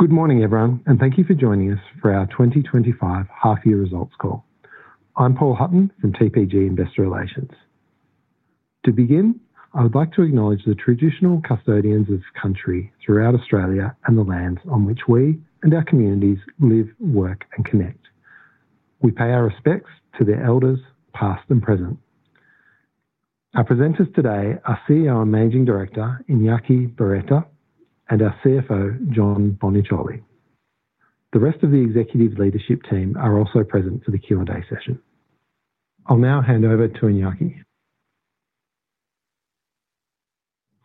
Good morning, everyone, and thank you for joining us for our 2025 Half Year Results Call. I'm Paul Hutton from TPG Investor Relations. To begin, I would like to acknowledge the traditional custodians of this country throughout Australia and the lands on which we and our communities live, work, and connect. We pay our respects to their elders, past and present. Our presenters today are CEO and Managing Director Iñaki Berroeta and our CFO, John Boniciolli. The rest of the executive leadership team are also present for the Q&A session. I'll now hand over to Iñaki.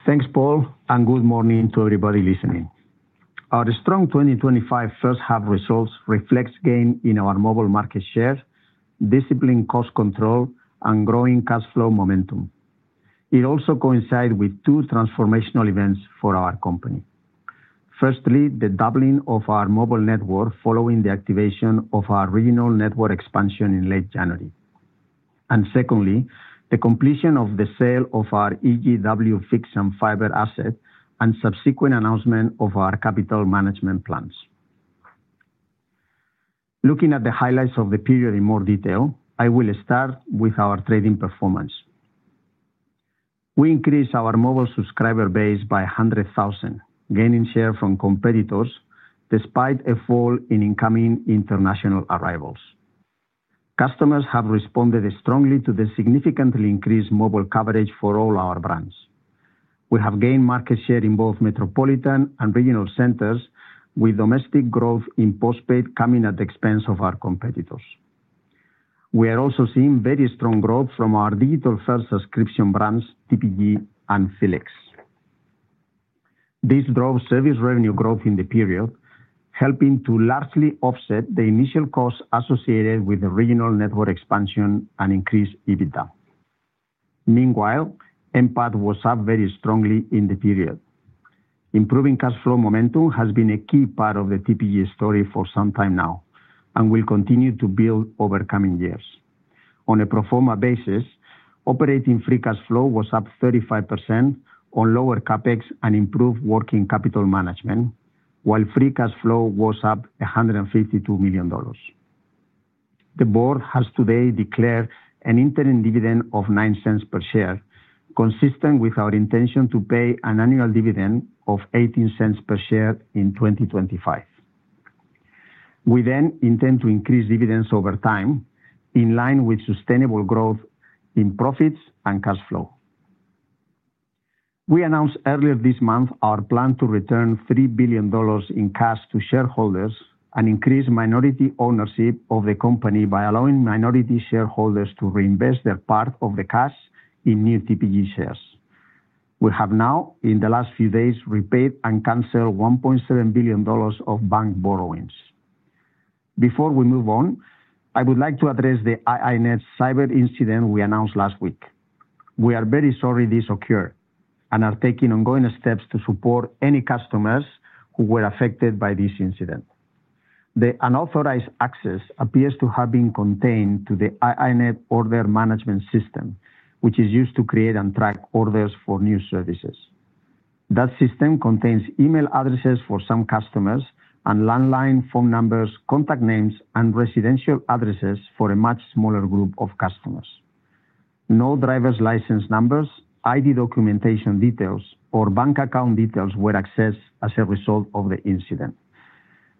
Thanks, Paul, and good morning to everybody listening. Our strong 2025 first half results reflect gains in our mobile market shares, disciplined cost control, and growing cash flow momentum. It also coincides with two transformational events for our company. Firstly, the doubling of our mobile network following the activation of our regional network expansion in late January. Secondly, the completion of the sale of our EGW fixed and fibre asset and subsequent announcement of our capital management plans. Looking at the highlights of the period in more detail, I will start with our trading performance. We increased our mobile subscriber base by 100,000, gaining share from competitors despite a fall in incoming international arrivals. Customers have responded strongly to the significantly increased mobile coverage for all our brands. We have gained market share in both metropolitan and regional centers, with domestic growth in postpaid coming at the expense of our competitors. We are also seeing very strong growth from our digital-first subscription brands, TPG and felix. This drove service revenue growth in the period, helping to largely offset the initial costs associated with the regional network expansion and increased EBITDA. Meanwhile, MPAD was up very strongly in the period. Improving cash flow momentum has been a key part of the TPG story for some time now and will continue to build over the coming years. On a pro forma basis, operating free cash flow was up 35% on lower CapEx and improved working capital management, while free cash flow was up 152 million dollars. The board has today declared an interim dividend of 0.09 per share, consistent with our intention to pay an annual dividend of 0.18 per share in 2025. We then intend to increase dividends over time, in line with sustainable growth in profits and cash flow. We announced earlier this month our plan to return 3 billion dollars in cash to shareholders and increase minority ownership of the company by allowing minority shareholders to reinvest their part of the cash in new TPG shares. We have now, in the last few days, repaid and canceled 1.7 billion dollars of bank borrowings. Before we move on, I would like to address the iiNet cyber incident we announced last week. We are very sorry this occurred and are taking ongoing steps to support any customers who were affected by this incident. The unauthorized access appears to have been contained to the iiNet order management system, which is used to create and track orders for new services. That system contains email addresses for some customers and landline phone numbers, contact names, and residential addresses for a much smaller group of customers. No driver's license numbers, ID documentation details, or bank account details were accessed as a result of the incident.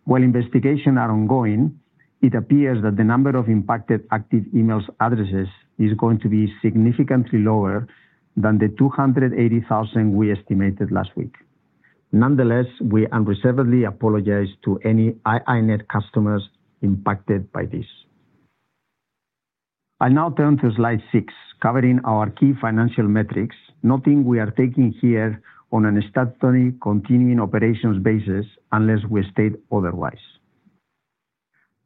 While investigations are ongoing, it appears that the number of impacted active email addresses is going to be significantly lower than the 280,000 we estimated last week. Nonetheless, we unreservedly apologize to any iiNet customers impacted by this. I'll now turn to slide six, covering our key financial metrics, noting we are taking here on a statutory continuing operations basis unless we state otherwise.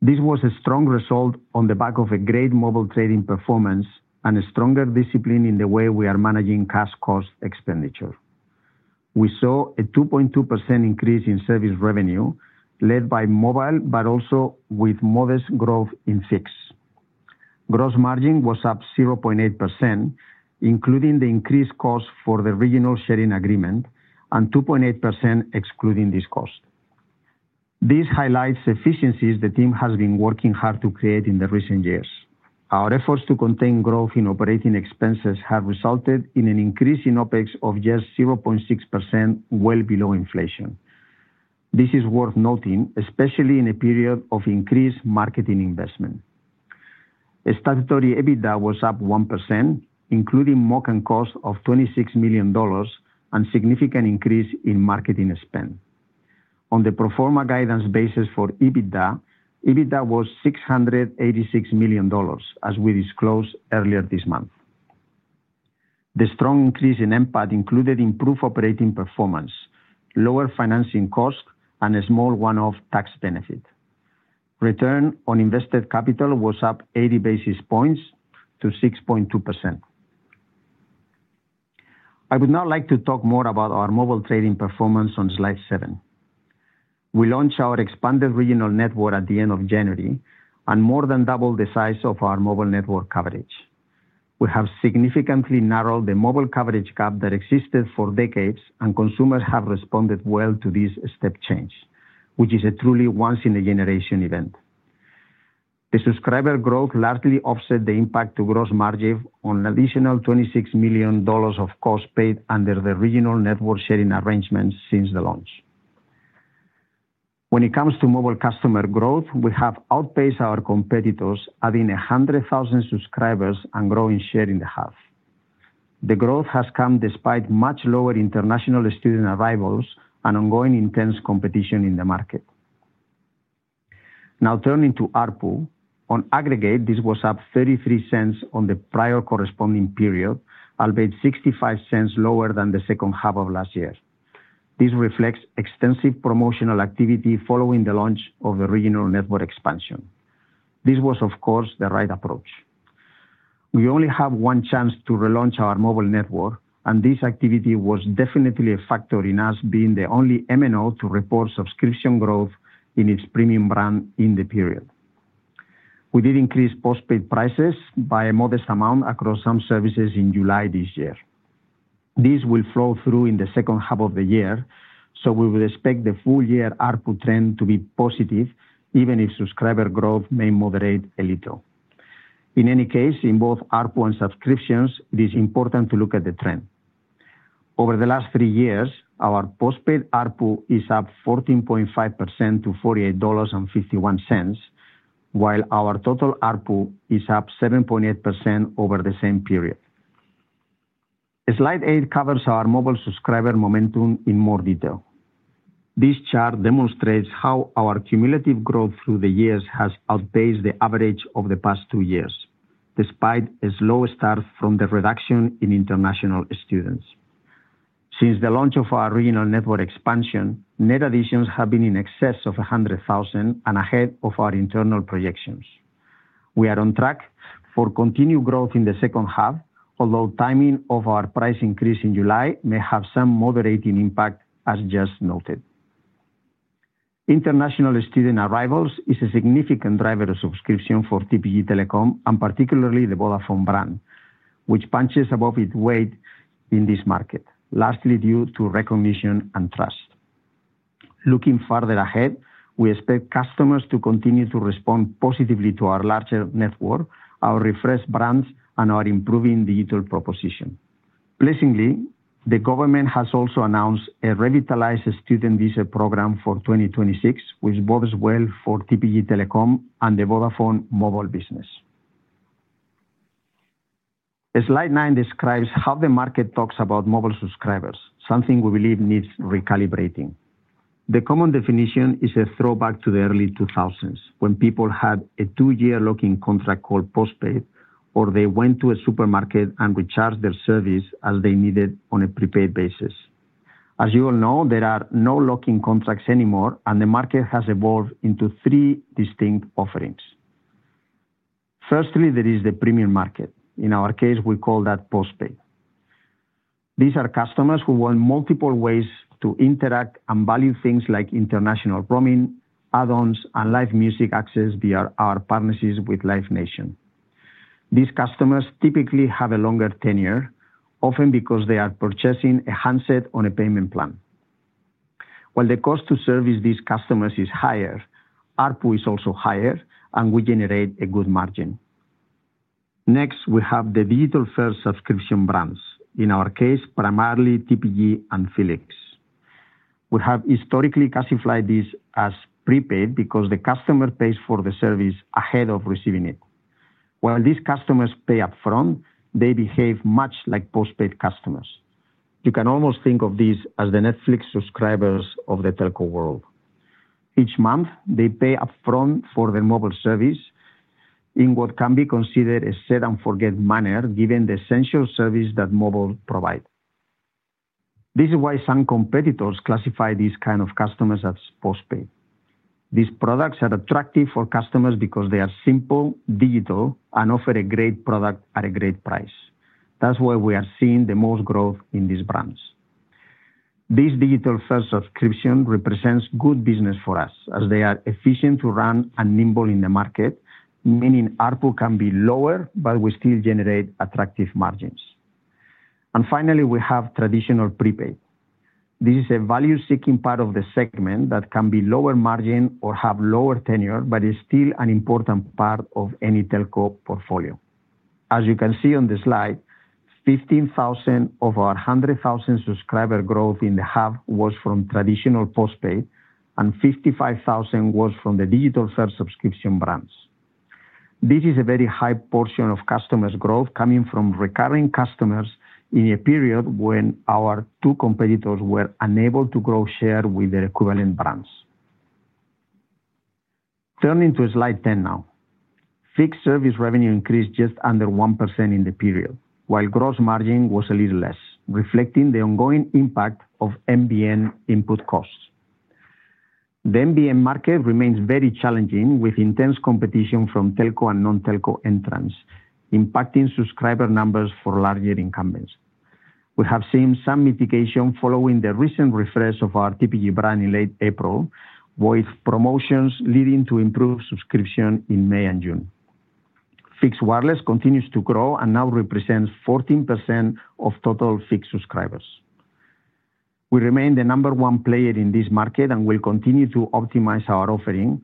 This was a strong result on the back of a great mobile trading performance and a stronger discipline in the way we are managing cash cost expenditure. We saw a 2.2% increase in service revenue led by mobile, but also with modest growth in fixed. Gross margin was up 0.8%, including the increased cost for the regional sharing agreement and 2.8% excluding this cost. This highlights efficiencies the team has been working hard to create in the recent years. Our efforts to contain growth in operating expenses have resulted in an increase in OpEx of just 0.6%, well below inflation. This is worth noting, especially in a period of increased marketing investment. Statutory EBITDA was up 1%, including marketing cost of 26 million dollars, and a significant increase in marketing spend. On the pro forma guidance basis for EBITDA, EBITDA was 686 million dollars, as we disclosed earlier this month. The strong increase in NPAT included improved operating performance, lower financing costs, and a small one-off tax benefit. Return on invested capital was up 80 basis points to 6.2%. I would now like to talk more about our mobile trading performance on slide seven. We launched our expanded regional network at the end of January and more than doubled the size of our mobile network coverage. We have significantly narrowed the mobile coverage gap that existed for decades, and consumers have responded well to this step change, which is a truly once-in-a-generation event. The subscriber growth largely offset the impact to gross margin on an additional 26 million dollars of costs paid under the regional network sharing arrangements since the launch. When it comes to mobile customer growth, we have outpaced our competitors, adding 100,000 subscribers and growing share in the half. The growth has come despite much lower international student arrivals and ongoing intense competition in the market. Now turning to ARPU, on aggregate, this was up 0.33 on the prior corresponding period, albeit 0.65 lower than the second half of last year. This reflects extensive promotional activity following the launch of the regional network expansion. This was, of course, the right approach. We only have one chance to relaunch our mobile network, and this activity was definitely a factor in us being the only MNO to report subscription growth in its premium brand in the period. We did increase postpaid prices by a modest amount across some services in July this year. This will flow through in the second half of the year, so we would expect the full-year ARPU trend to be positive, even if subscriber growth may moderate a little. In any case, in both ARPU and subscriptions, it is important to look at the trend. Over the last three years, our postpaid ARPU is up 14.5% to 48.51 dollars, while our total ARPU is up 7.8% over the same period. Slide eight covers our mobile subscriber momentum in more detail. This chart demonstrates how our cumulative growth through the years has outpaced the average of the past two years, despite a slow start from the reduction in international students. Since the launch of our regional network expansion, net additions have been in excess of 100,000 and ahead of our internal projections. We are on track for continued growth in the second half, although timing of our price increase in July may have some moderating impact, as just noted. International student arrivals is a significant driver of subscription for TPG Telecom, and particularly the Vodafone brand, which punches above its weight in this market, largely due to recognition and trust. Looking farther ahead, we expect customers to continue to respond positively to our larger network, our refreshed brands, and our improving digital proposition. Pleasingly, the government has also announced a revitalized student visa program for 2026, which bodes well for TPG Telecom and the Vodafone mobile business. Slide nine describes how the market talks about mobile subscribers, something we believe needs recalibrating. The common definition is a throwback to the early 2000s, when people had a two-year lock-in contract called postpaid, or they went to a supermarket and recharged their service as they needed on a prepaid basis. As you all know, there are no lock-in contracts anymore, and the market has evolved into three distinct offerings. Firstly, there is the premium market. In our case, we call that postpaid. These are customers who want multiple ways to interact and value things like international roaming, add-ons, and live music access via our partnerships with Live Nation. These customers typically have a longer tenure, often because they are purchasing a handset on a payment plan. While the cost to service these customers is higher, ARPU is also higher, and we generate a good margin. Next, we have the digital-first subscription brands, in our case, primarily TPG and felix. We have historically classified this as prepaid because the customer pays for the service ahead of receiving it. While these customers pay upfront, they behave much like postpaid customers. You can almost think of these as the Netflix subscribers of the telco world. Each month, they pay upfront for their mobile service in what can be considered a set-and-forget manner, given the essential service that mobile provides. This is why some competitors classify these kinds of customers as postpaid. These products are attractive for customers because they are simple, digital, and offer a great product at a great price. That's why we are seeing the most growth in these brands. These digital-first subscriptions represent good business for us, as they are efficient to run and nimble in the market, meaning ARPU can be lower, but we still generate attractive margins. Finally, we have traditional prepaid. This is a value-seeking part of the segment that can be lower margin or have lower tenure, but is still an important part of any telco portfolio. As you can see on the slide, 15,000 of our 100,000 subscriber growth in the half was from traditional postpaid, and 55,000 was from the digital-first subscription brands. This is a very high portion of customer growth coming from recurring customers in a period when our two competitors were unable to grow share with their equivalent brands. Turning to slide ten now, fixed service revenue increased just under 1% in the period, while gross margin was a little less, reflecting the ongoing impact of NBN input costs. The NBN market remains very challenging, with intense competition from telco and non-telco entrants, impacting subscriber numbers for larger incumbents. We have seen some mitigation following the recent refresh of our TPG brand in late April, with promotions leading to improved subscriptions in May and June. Fixed wireless continues to grow and now represents 14% of total fixed subscribers. We remain the number one player in this market and will continue to optimize our offering,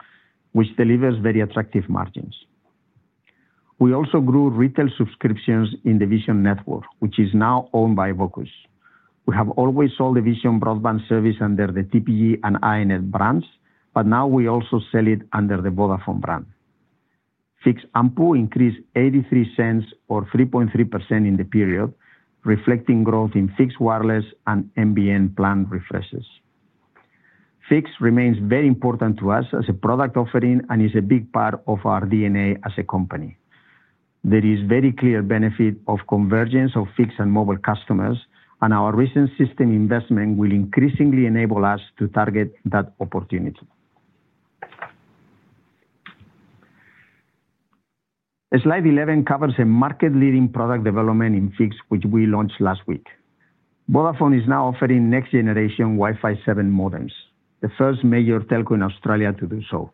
which delivers very attractive margins. We also grew retail subscriptions in the Vision network, which is now owned by Vocus. We have always sold the Vision broadband service under the TPG and iiNet brands, but now we also sell it under the Vodafone brand. Fixed ARPU increased 0.83 or 3.3% in the period, reflecting growth in fixed wireless and NBN plan refreshes. Fixed remains very important to us as a product offering and is a big part of our DNA as a company. There is a very clear benefit of convergence of fixed and mobile customers, and our recent system investment will increasingly enable us to target that opportunity. Slide 11 covers a market-leading product development in fixed, which we launched last week. Vodafone is now offering next-generation Wi-Fi 7 modems, the first major telco in Australia to do so,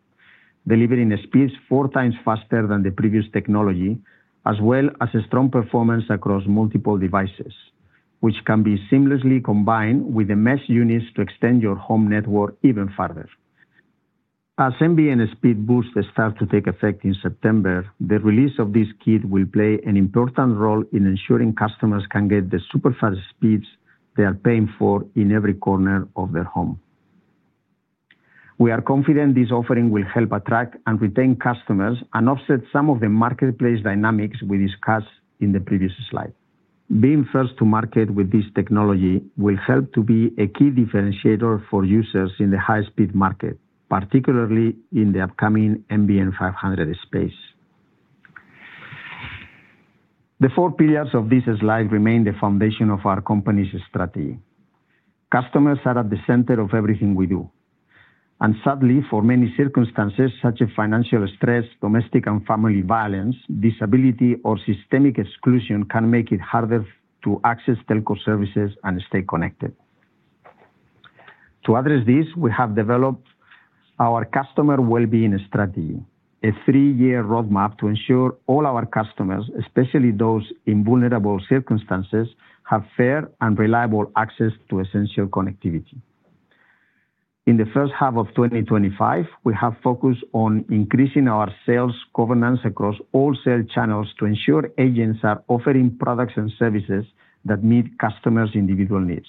delivering speeds four times faster than the previous technology, as well as a strong performance across multiple devices, which can be seamlessly combined with the mesh units to extend your home network even further. As NBN speed boosts start to take effect in September, the release of this kit will play an important role in ensuring customers can get the super fast speeds they are paying for in every corner of their home. We are confident this offering will help attract and retain customers and offset some of the marketplace dynamics we discussed in the previous slide. Being first to market with this technology will help to be a key differentiator for users in the high-speed market, particularly in the upcoming NBN 500 space. The four pillars of this slide remain the foundation of our company's strategy. Customers are at the center of everything we do. Sadly, for many circumstances, such as financial stress, domestic and family violence, disability, or systemic exclusion can make it harder to access telco services and stay connected. To address this, we have developed our customer wellbeing strategy, a three-year roadmap to ensure all our customers, especially those in vulnerable circumstances, have fair and reliable access to essential connectivity. In the first half of 2025, we have focused on increasing our sales governance across all sales channels to ensure agents are offering products and services that meet customers' individual needs.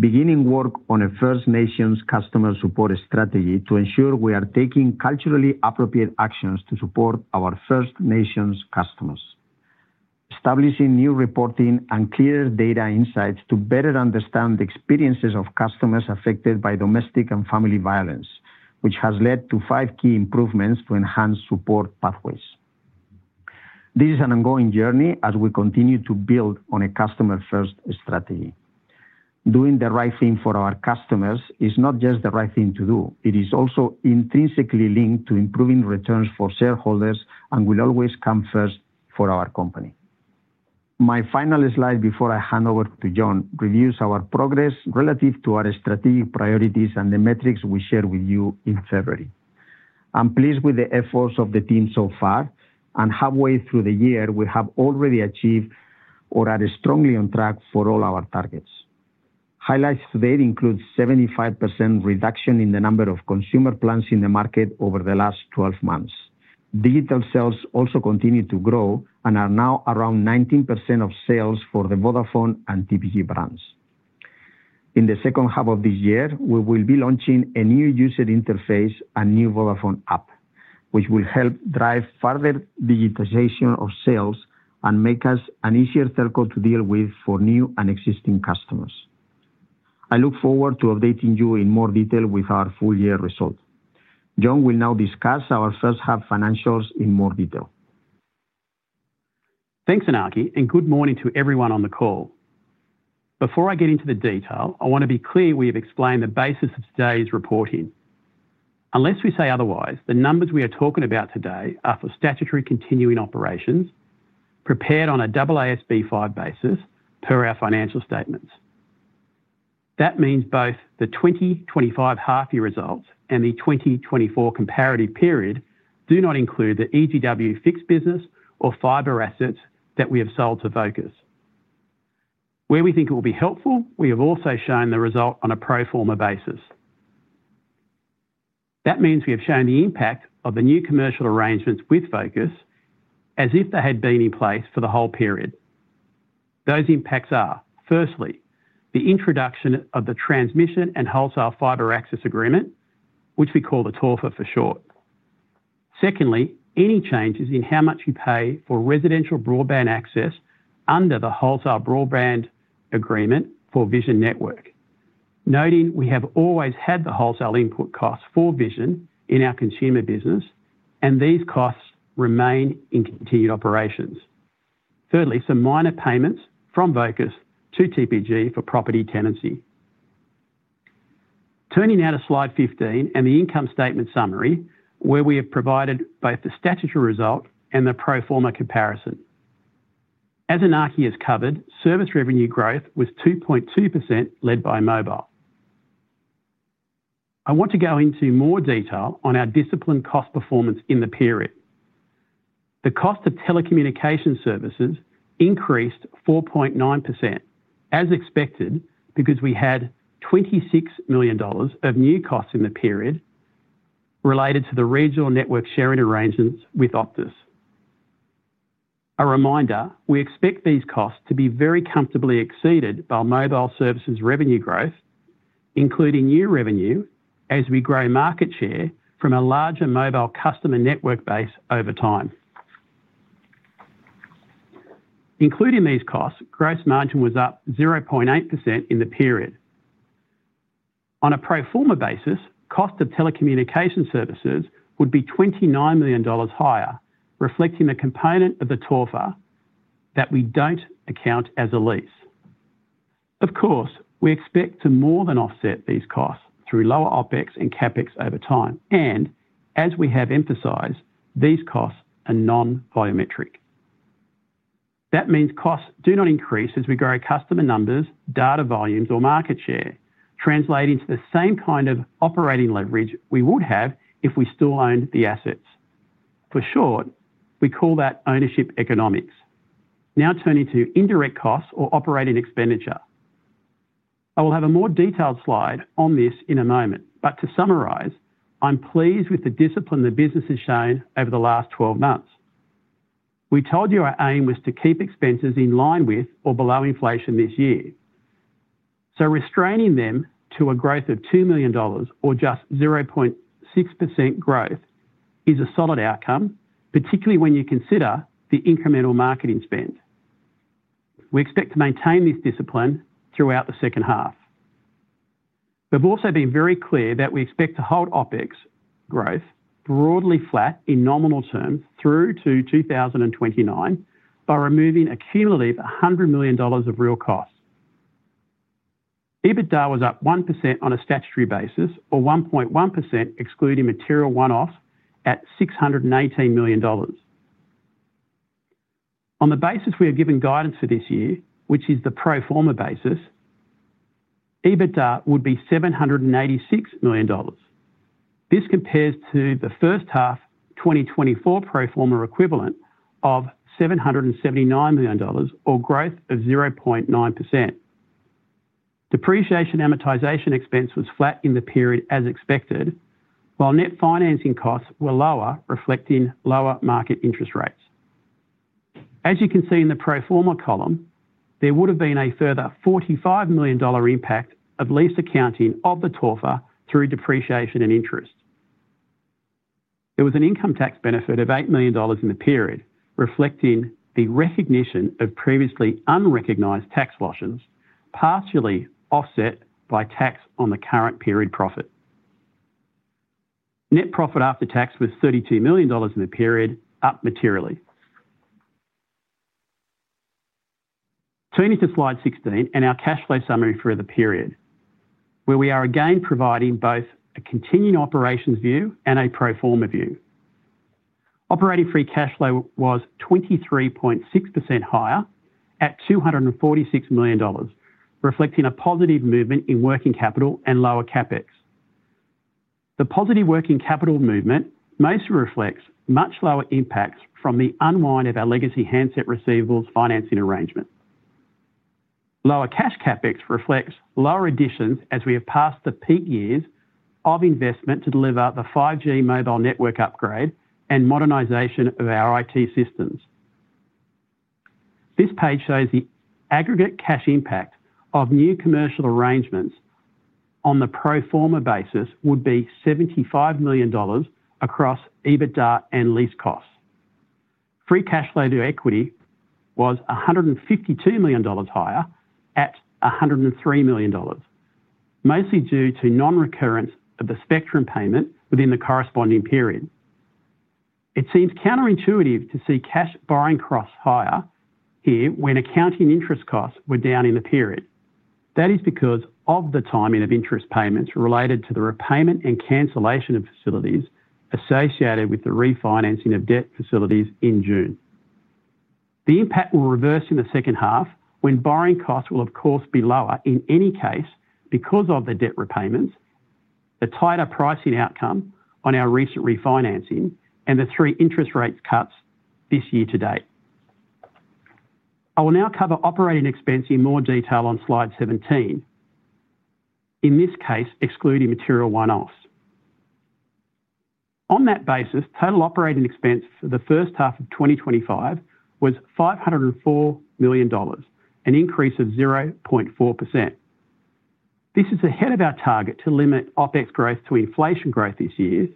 Beginning work on a First Nations customer support strategy to ensure we are taking culturally appropriate actions to support our First Nations customers. Establishing new reporting and clear data insights to better understand the experiences of customers affected by domestic and family violence, which has led to five key improvements to enhance support pathways. This is an ongoing journey as we continue to build on a customer-first strategy. Doing the right thing for our customers is not just the right thing to do, it is also intrinsically linked to improving returns for shareholders and will always come first for our company. My final slide before I hand over to John reviews our progress relative to our strategic priorities and the metrics we shared with you in February. I'm pleased with the efforts of the team so far, and halfway through the year, we have already achieved or are strongly on track for all our targets. Highlights to date include a 75% reduction in the number of consumer plans in the market over the last 12 months. Digital sales also continue to grow and are now around 19% of sales for the Vodafone and TPG brands. In the second half of this year, we will be launching a new user interface and new Vodafone app, which will help drive further digitization of sales and make us an easier telco to deal with for new and existing customers. I look forward to updating you in more detail with our full-year result. John will now discuss our first half financials in more detail. Thanks, Iñaki, and good morning to everyone on the call. Before I get into the detail, I want to be clear we have explained the basis of today's reporting. Unless we say otherwise, the numbers we are talking about today are for statutory continuing operations, prepared on a double ASB 5 basis per our financial statements. That means both the 2025 half-year results and the 2024 comparative period do not include the EGW fixed business or fiber assets that we have sold to Vocus. Where we think it will be helpful, we have also shown the result on a pro forma basis. That means we have shown the impact of the new commercial arrangements with Vocus as if they had been in place for the whole period. Those impacts are, firstly, the introduction of the Transmission and Wholesale Fibre Access Agreement, which we call the TOFA for short. Secondly, any changes in how much you pay for residential broadband access under the Wholesale Broadband Agreement for Vision network, noting we have always had the wholesale input costs for Vision in our consumer business, and these costs remain in continued operations. Thirdly, some minor payments from Vocus to TPG for property tenancy. Turning now to slide 15 and the income statement summary, where we have provided both the statutory result and the pro forma comparison. As Iñaki has covered, service revenue growth was 2.2% led by mobile. I want to go into more detail on our disciplined cost performance in the period. The cost of telecommunications services increased 4.9%, as expected, because we had 26 million dollars of new costs in the period related to the regional network sharing arrangements with Optus. A reminder, we expect these costs to be very comfortably exceeded by mobile services revenue growth, including new revenue as we grow market share from a larger mobile customer network base over time. Including these costs, gross margin was up 0.8% in the period. On a pro forma basis, cost of telecommunications services would be 29 million dollars higher, reflecting a component of the TOFA that we don't account as a lease. Of course, we expect to more than offset these costs through lower OpEx and CapEx over time, and as we have emphasized, these costs are non-biometric. That means costs do not increase as we grow customer numbers, data volumes, or market share, translating to the same kind of operating leverage we would have if we still owned the assets. For short, we call that ownership economics. Now turning to indirect costs or operating expenditure. I will have a more detailed slide on this in a moment, but to summarize, I'm pleased with the discipline the business has shown over the last 12 months. We told you our aim was to keep expenses in line with or below inflation this year. Restraining them to a growth of 2 million dollars or just 0.6% growth is a solid outcome, particularly when you consider the incremental marketing spend. We expect to maintain this discipline throughout the second half. We've also been very clear that we expect to hold OpEx growth broadly flat in nominal terms through to 2029 by removing a cumulative 100 million dollars of real costs. EBITDA was up 1% on a statutory basis, or 1.1% excluding material one-offs at 618 million dollars. On the basis we are giving guidance for this year, which is the pro forma basis, EBITDA would be 786 million dollars. This compares to the first half 2024 pro forma equivalent of 779 million dollars, or growth of 0.9%. Depreciation and amortization expense was flat in the period as expected, while net financing costs were lower, reflecting lower market interest rates. As you can see in the pro forma column, there would have been a further 45 million dollar impact, at least accounting of the TOFA through depreciation and interest. There was an income tax benefit of 8 million dollars in the period, reflecting the recognition of previously unrecognized tax losses, partially offset by tax on the current period profit. Net profit after tax was 32 million dollars in the period, up materially. Turning to slide 16 and our cash flow summary for the period, where we are again providing both a continuing operations view and a pro forma view. Operating free cash flow was 23.6% higher at 246 million dollars, reflecting a positive movement in working capital and lower CapEx. The positive working capital movement mostly reflects much lower impacts from the unwind of our legacy handset receivables financing arrangement. Lower cash CapEx reflects lower additions as we have passed the peak years of investment to deliver the 5G mobile network upgrade and modernization of our IT systems. This page shows the aggregate cash impact of new commercial arrangements on the pro forma basis would be 75 million dollars across EBITDA and lease costs. Free cash flow to equity was 152 million dollars higher at 103 million dollars, mostly due to non-recurrence of the spectrum payment within the corresponding period. It seems counterintuitive to see cash borrowing costs higher here when accounting interest costs were down in the period. That is because of the timing of interest payments related to the repayment and cancellation of facilities associated with the refinancing of debt facilities in June. The impact will reverse in the second half when borrowing costs will, of course, be lower in any case because of the debt repayments, the tighter pricing outcome on our recent refinancing, and the three interest rate cuts this year to date. I will now cover operating expense in more detail on slide 17, in this case excluding material one-offs. On that basis, total operating expense for the first half of 2025 was 504 million dollars, an increase of 0.4%. This is ahead of our target to limit OpEx growth to inflation growth this year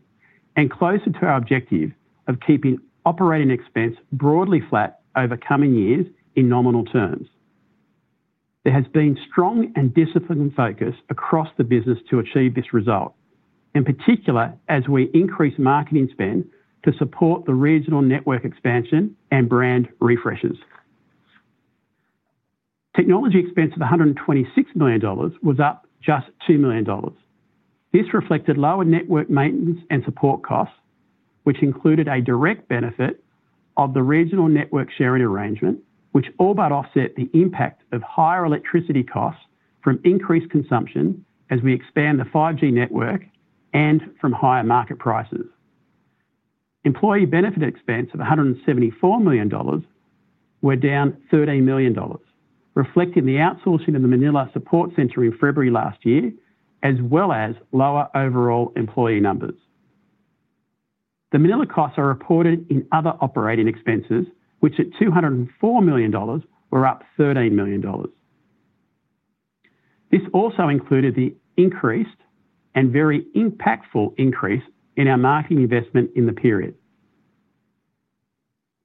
and closer to our objective of keeping operating expense broadly flat over coming years in nominal terms. There has been strong and disciplined focus across the business to achieve this result, in particular as we increase marketing spend to support the regional network expansion and brand refreshes. Technology expense of 126 million dollars was up just 2 million dollars. This reflected lower network maintenance and support costs, which included a direct benefit of the regional network sharing arrangement, which all but offset the impact of higher electricity costs from increased consumption as we expand the 5G network and from higher market prices. Employee benefit expense of 174 million dollars was down 13 million dollars, reflecting the outsourcing of the Manila support centre in February last year, as well as lower overall employee numbers. The Manila costs are reported in other operating expenses, which at 204 million dollars were up 13 million dollars. This also included the increased and very impactful increase in our marketing investment in the period.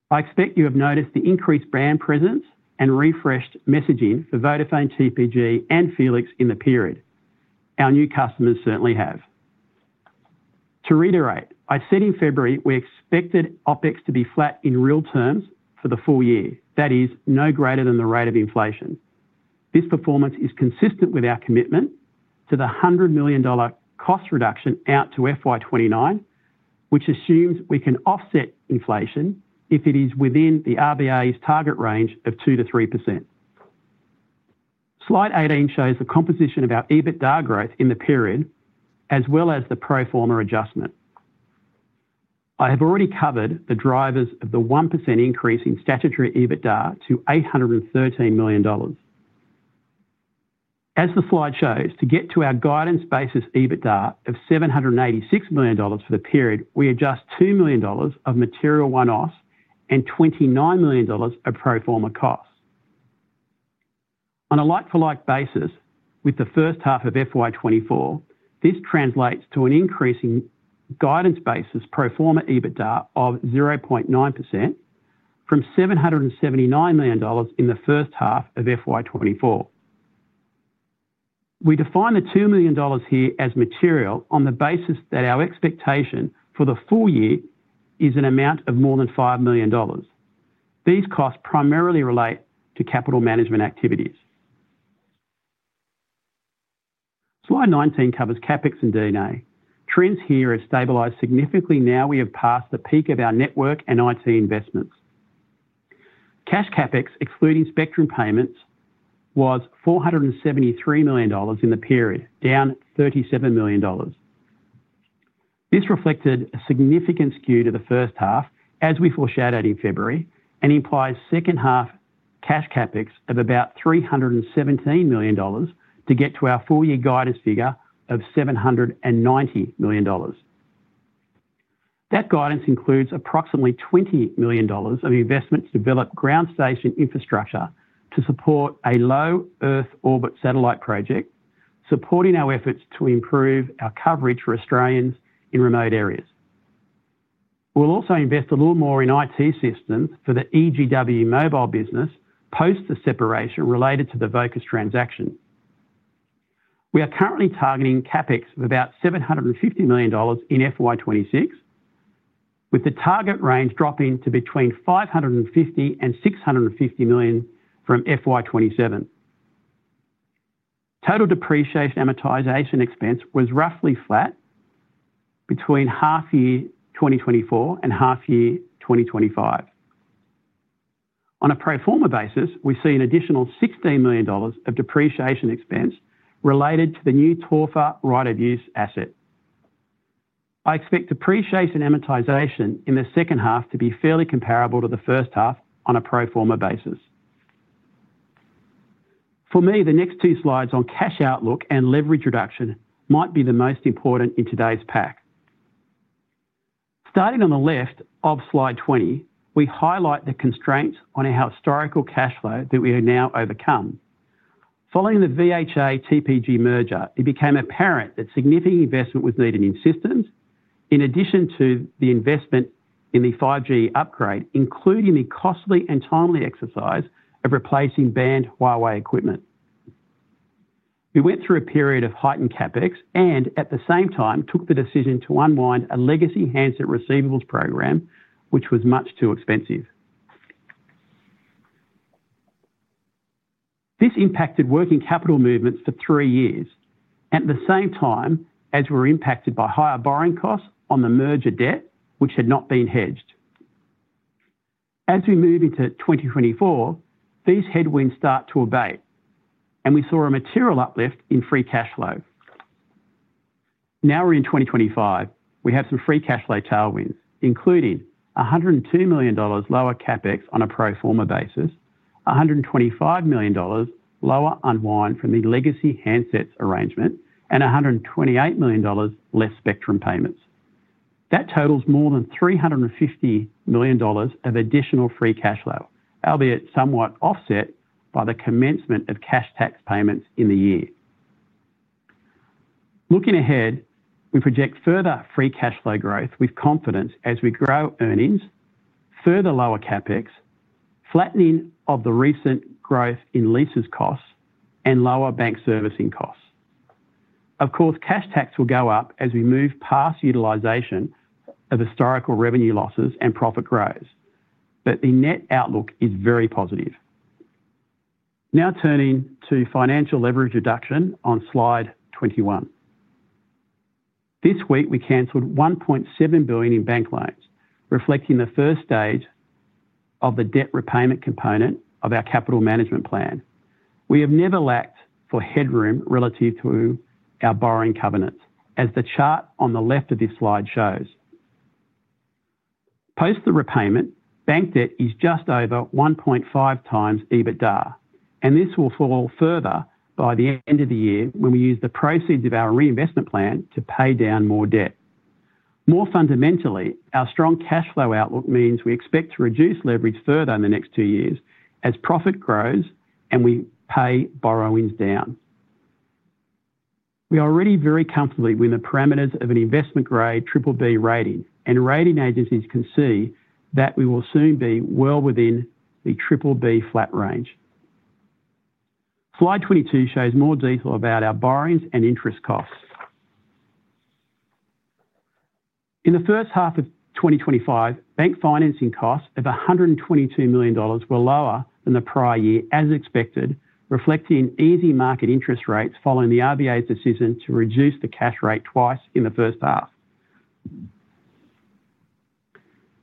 I expect you have noticed the increased brand presence and refreshed messaging for Vodafone, TPG, and felix in the period. Our new customers certainly have. To reiterate, I said in February we expected OpEx to be flat in real terms for the full year, that is, no greater than the rate of inflation. This performance is consistent with our commitment to the 100 million dollar cost reduction out to FY 2029, which assumes we can offset inflation if it is within the RBA's target range of 2%-3%. Slide 18 shows the composition of our EBITDA growth in the period, as well as the pro forma adjustment. I have already covered the drivers of the 1% increase in statutory EBITDA to 813 million dollars. As the slide shows, to get to our guidance basis EBITDA of 786 million dollars for the period, we adjust 2 million dollars of material one-offs and 29 million dollars of pro forma costs. On a like-for-like basis with the first half of FY 2024, this translates to an increase in guidance basis pro forma EBITDA of 0.9% from 779 million dollars in the first half of FY 2024. We define the 2 million dollars here as material on the basis that our expectation for the full year is an amount of more than 5 million dollars. These costs primarily relate to capital management activities. Slide 19 covers CapEx and DNA. Trends here have stabilized significantly now we have passed the peak of our network and IT investments. Cash CapEx, excluding spectrum payments, was 473 million dollars in the period, down 37 million dollars. This reflected a significant skew to the first half, as we foreshadowed in February, and implies second half cash CapEx of about 317 million dollars to get to our full-year guidance figure of 790 million dollars. That guidance includes approximately 20 million dollars of investment to develop ground station infrastructure to support a low Earth orbit satellite project, supporting our efforts to improve our coverage for Australians in remote areas. We'll also invest a little more in IT systems for the EGW mobile business post the separation related to the Vocus transaction. We are currently targeting CapEx of about 750 million dollars in FY 2026, with the target range dropping to between 550 million and 650 million from FY 2027. Total depreciation amortization expense was roughly flat between half-year 2024 and half-year 2025. On a pro forma basis, we see an additional 16 million dollars of depreciation expense related to the new TOFA right-of-use asset. I expect depreciation amortization in the second half to be fairly comparable to the first half on a pro forma basis. For me, the next two slides on cash outlook and leverage reduction might be the most important in today's pack. Starting on the left of slide 20, we highlight the constraints on our historical cash flow that we have now overcome. Following the VHA-TPG merger, it became apparent that significant investment was needed in systems, in addition to the investment in the 5G upgrade, including the costly and timely exercise of replacing banned Huawei equipment. We went through a period of heightened CapEx and, at the same time, took the decision to unwind a legacy handset receivables program, which was much too expensive. This impacted working capital movements for three years, at the same time as we were impacted by higher borrowing costs on the merger debt, which had not been hedged. As we move into 2024, these headwinds start to abate, and we saw a material uplift in free cash flow. Now we're in 2025, we have some free cash flow tailwind, including 102 million dollars lower CapEx on a pro forma basis, 125 million dollars lower unwind from the legacy handsets arrangement, and 128 million dollars less spectrum payments. That totals more than 350 million dollars of additional free cash flow, albeit somewhat offset by the commencement of cash tax payments in the year. Looking ahead, we project further free cash flow growth with confidence as we grow earnings, further lower CapEx, flattening of the recent growth in leases costs, and lower bank servicing costs. Of course, cash tax will go up as we move past utilization of historical revenue losses and profit growth, but the net outlook is very positive. Now turning to financial leverage reduction on slide 21. This week, we canceled 1.7 billion in bank loans, reflecting the first stage of the debt repayment component of our capital management plan. We have never lacked for headroom relative to our borrowing covenants, as the chart on the left of this slide shows. Post the repayment, bank debt is just over 1.5x EBITDA, and this will fall further by the end of the year when we use the proceeds of our reinvestment plan to pay down more debt. More fundamentally, our strong cash flow outlook means we expect to reduce leverage further in the next two years as profit grows and we pay borrowings down. We are already very comfortable within the parameters of an investment-grade BBB rating, and rating agencies can see that we will soon be well within the BBB flat range. Slide 22 shows more detail about our borrowings and interest costs. In the first half of 2025, bank financing costs of 122 million dollars were lower than the prior year as expected, reflecting easy market interest rates following the RBA's decision to reduce the cash rate twice in the first half.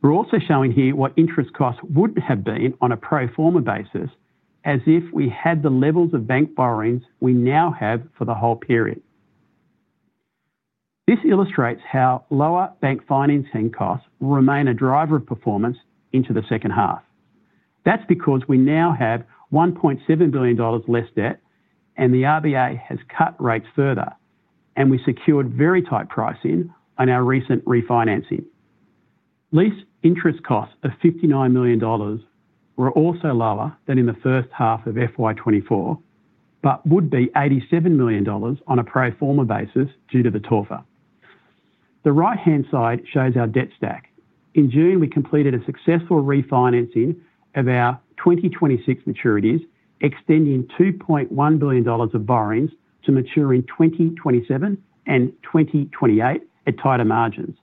We're also showing here what interest costs would have been on a pro forma basis as if we had the levels of bank borrowings we now have for the whole period. This illustrates how lower bank financing costs remain a driver of performance into the second half. That's because we now have 1.7 billion dollars less debt, and the RBA has cut rates further, and we secured very tight pricing on our recent refinancing. Lease interest costs of 59 million dollars were also lower than in the first half of FY 2024, but would be 87 million dollars on a pro forma basis due to the TOFA. The right-hand side shows our debt stack. In June, we completed a successful refinancing of our 2026 maturities, extending 2.1 billion dollars of borrowings to mature in 2027 and 2028 at tighter margins.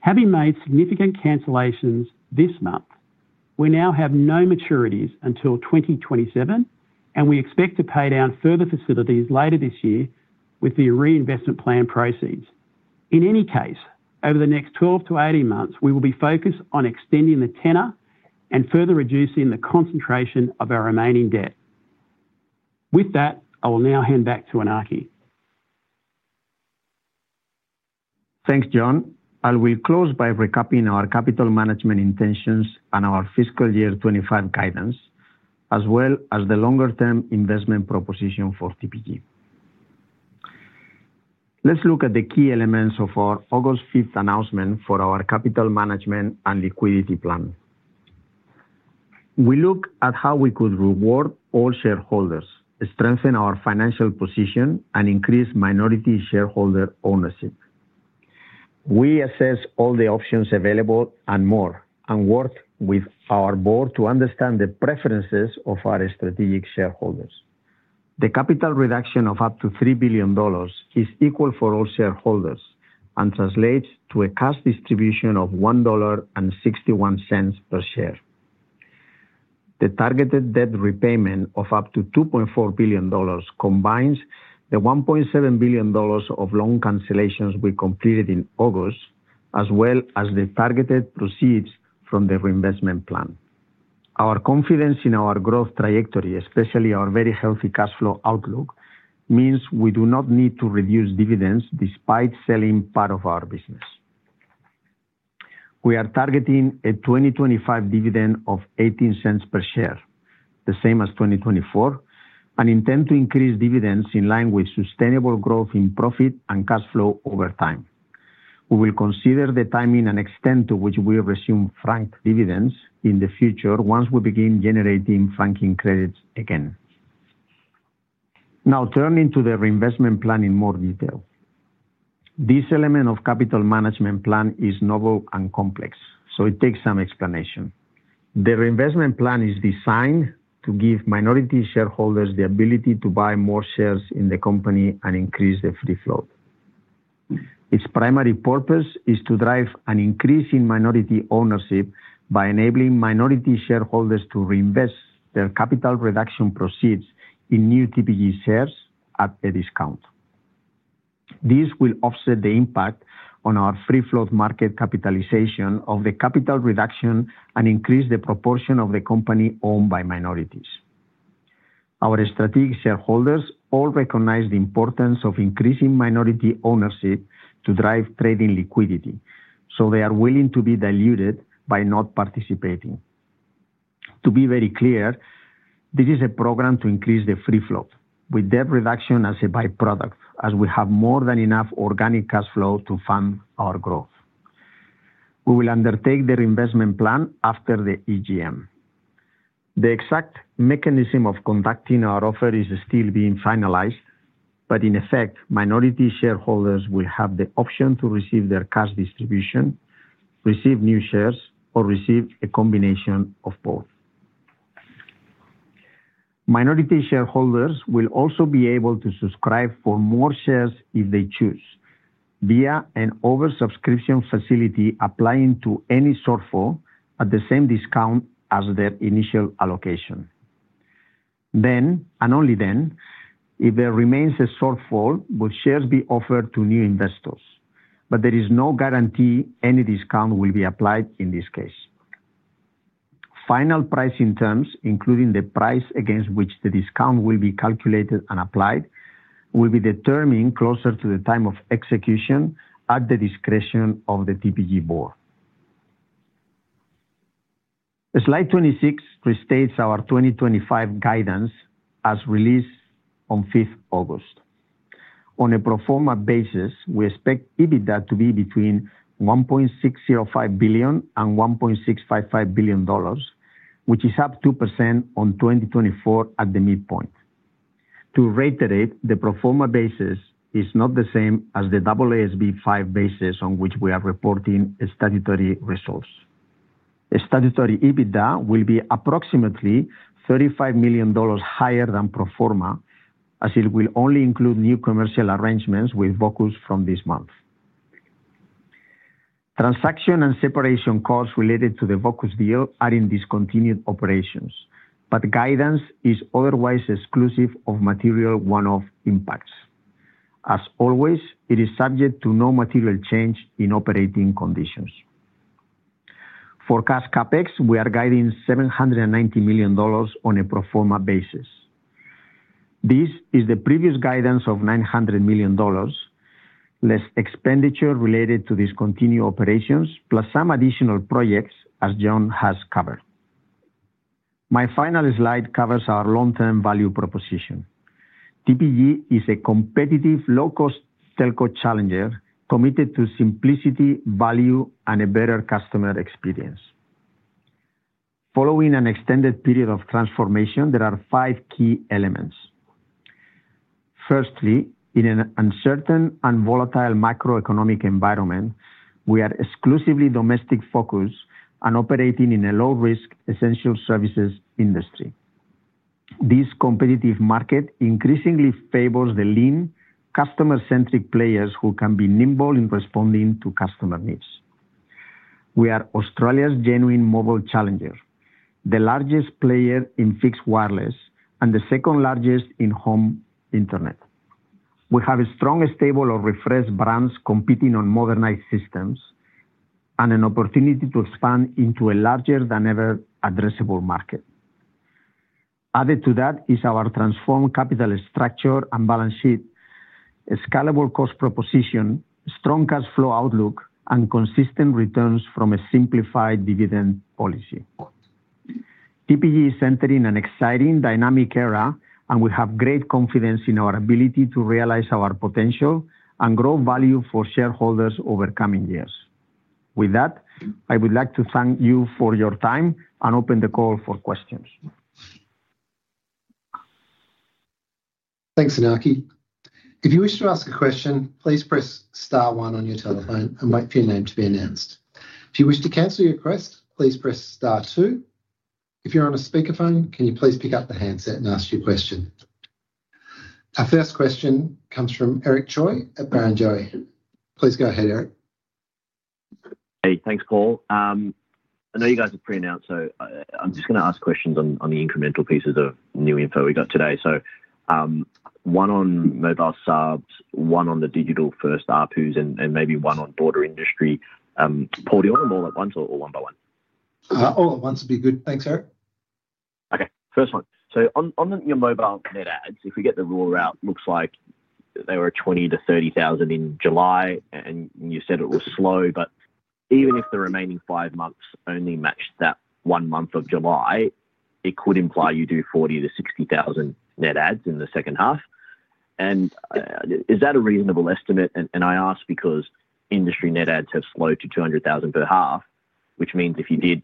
Having made significant cancellations this month, we now have no maturities until 2027, and we expect to pay down further facilities later this year with the reinvestment plan proceeds. In any case, over the next 12-18 months, we will be focused on extending the tenor and further reducing the concentration of our remaining debt. With that, I will now hand back to Iñaki. Thanks, John. I'll close by recapping our capital management intentions and our fiscal year 2025 guidance, as well as the longer-term investment proposition for TPG. Let's look at the key elements of our August 5th announcement for our capital management and liquidity plan. We looked at how we could reward all shareholders, strengthen our financial position, and increase minority shareholder ownership. We assessed all the options available and more, and worked with our Board to understand the preferences of our strategic shareholders. The capital reduction of up to 3 billion dollars is equal for all shareholders and translates to a cash distribution of 1.61 dollar per share. The targeted debt repayment of up to 2.4 billion dollars combines the 1.7 billion dollars of loan cancellations we completed in August, as well as the targeted proceeds from the reinvestment plan. Our confidence in our growth trajectory, especially our very healthy cash flow outlook, means we do not need to reduce dividends despite selling part of our business. We are targeting a 2025 dividend of 0.18 per share, the same as 2024, and intend to increase dividends in line with sustainable growth in profit and cash flow over time. We will consider the timing and extent to which we will resume franked dividends in the future once we begin generating franking credits again. Now turning to the reinvestment plan in more detail. This element of the capital management plan is novel and complex, so it takes some explanation. The reinvestment plan is designed to give minority shareholders the ability to buy more shares in the company and increase the free float. Its primary purpose is to drive an increase in minority ownership by enabling minority shareholders to reinvest their capital reduction proceeds in new TPG shares at a discount. This will offset the impact on our free float market capitalization of the capital reduction and increase the proportion of the company owned by minorities. Our strategic shareholders all recognize the importance of increasing minority ownership to drive trading liquidity, so they are willing to be diluted by not participating. To be very clear, this is a program to increase the free float with debt reduction as a byproduct, as we have more than enough organic cash flow to fund our growth. We will undertake the reinvestment plan after the EGM. The exact mechanism of conducting our offer is still being finalized, but in effect, minority shareholders will have the option to receive their cash distribution, receive new shares, or receive a combination of both. Minority shareholders will also be able to subscribe for more shares if they choose, via an oversubscription facility applying to any SORFO at the same discount as their initial allocation. Only if there remains a SORFO will shares be offered to new investors, but there is no guarantee any discount will be applied in this case. Final pricing terms, including the price against which the discount will be calculated and applied, will be determined closer to the time of execution at the discretion of the TPG board. Slide 26 restates our 2025 guidance as released on August 5. On a pro forma basis, we expect EBITDA to be between 1.605 billion and 1.655 billion dollars, which is up 2% on 2024 at the midpoint. To reiterate, the pro forma basis is not the same as the double ASB 5 basis on which we are reporting statutory results. The statutory EBITDA will be approximately 35 million dollars higher than pro forma, as it will only include new commercial arrangements with Vocus from this month. Transaction and separation costs related to the Vocus deal are in discontinued operations, but guidance is otherwise exclusive of material one-off impacts. As always, it is subject to no material change in operating conditions. For cash CapEx, we are guiding 790 million dollars on a pro forma basis. This is the previous guidance of 900 million dollars, less expenditure related to discontinued operations, plus some additional projects, as John has covered. My final slide covers our long-term value proposition. TPG is a competitive, low-cost telco challenger committed to simplicity, value, and a better customer experience. Following an extended period of transformation, there are five key elements. Firstly, in an uncertain and volatile macroeconomic environment, we are exclusively domestic-focused and operating in a low-risk essential services industry. This competitive market increasingly favors the lean, customer-centric players who can be nimble in responding to customer needs. We are Australia's genuine mobile challenger, the largest player in fixed wireless and the second largest in home internet. We have a strong stable of refreshed brands competing on modernized systems and an opportunity to expand into a larger than ever addressable market. Added to that is our transformed capital structure and balance sheet, a scalable cost proposition, strong cash flow outlook, and consistent returns from a simplified dividend policy. TPG is entering an exciting, dynamic era, and we have great confidence in our ability to realise our potential and grow value for shareholders over coming years. With that, I would like to thank you for your time and open the call for questions. Thanks, Iñaki. If you wish to ask a question, please press star one on your telephone and wait for your name to be announced. If you wish to cancel your request, please press star two. If you're on a speakerphone, can you please pick up the handset and ask your question? Our first question comes from Eric Choi at Barrenjoey. Please go ahead, Eric. Hey, thanks, Paul. I know you guys are pre-announced, so I'm just going to ask questions on the incremental pieces of new info we got today. One on mobile subscribers, one on the digital-first app, who's in, and maybe one on broader industry. Paul, do you want them all at once or one by one? All at once would be good. Thanks, Eric. Okay, first one. On your mobile net adds, if we get the raw route, it looks like there were 20,000 to 30,000 in July, and you said it was slow, but even if the remaining five months only matched that one month of July, it could imply you do 40,000 to 60,000 net adds in the second half. Is that a reasonable estimate? I ask because industry net adds have slowed to 200,000 per half, which means if you did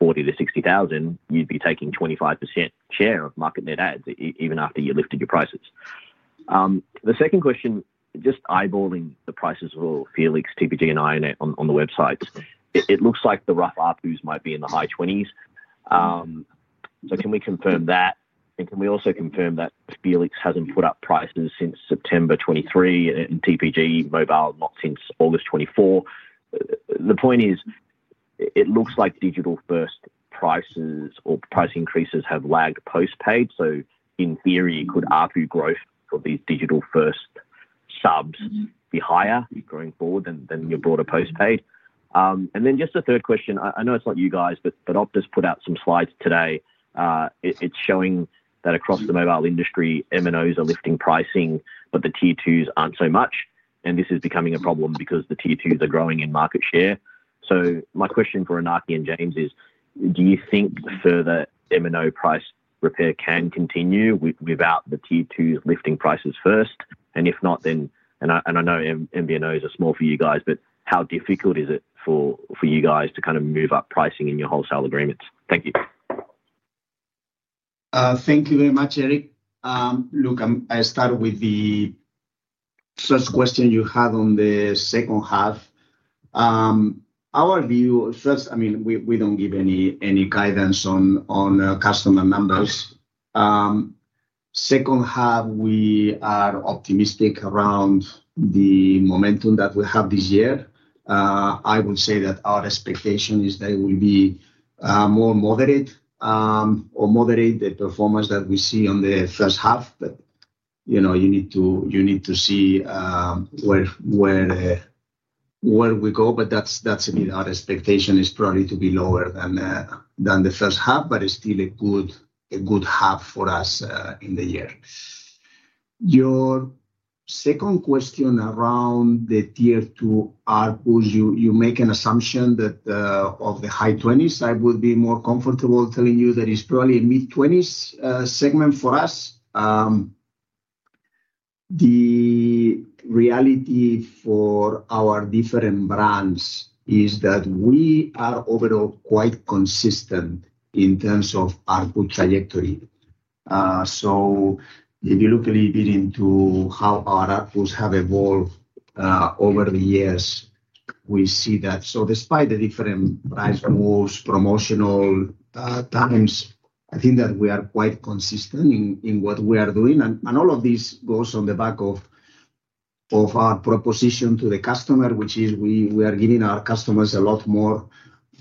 40,000 to 60,000, you'd be taking 25% share of market net adds even after you lifted your prices. The second question, just eyeballing the prices for felix, TPG, and iiNet on the websites, it looks like the rough ARPUs might be in the high 20s. Can we confirm that? Can we also confirm that felix hasn't put up prices since September 2023 and TPG mobile, not since August 2024? The point is, it looks like digital-first prices or price increases have lagged postpaid. In theory, could ARPU growth for the digital-first subs be higher going forward than your broader postpaid? The third question, I know it's not you guys, but Optus put out some slides today showing that across the mobile industry, MNOs are lifting pricing, but the T2s aren't so much. This is becoming a problem because the T2s are growing in market share. My question for Iñaki and John is, do you think the further MNO price repair can continue without the T2s lifting prices first? If not, and I know MVNOs are small for you guys, how difficult is it for you guys to kind of move up pricing in your wholesale agreements? Thank you. Thank you very much, Eric. Look, I start with the first question you had on the second half. Our view, first, I mean, we don't give any guidance on customer numbers. Second half, we are optimistic around the momentum that we have this year. I would say that our expectation is that it will be more moderate or moderate the performance that we see on the first half. You need to see where we go. That's a bit our expectation is probably to be lower than the first half, but it's still a good half for us in the year. Your second question around the tier two ARPUs, you make an assumption that of the high 20s. I would be more comfortable telling you that it's probably a mid-20s segment for us. The reality for our different brands is that we are overall quite consistent in terms of ARPU trajectory. If you look a little bit into how our ARPUs have evolved over the years, we see that. Despite the different price rules, promotional times, I think that we are quite consistent in what we are doing. All of this goes on the back of our proposition to the customer, which is we are giving our customers a lot more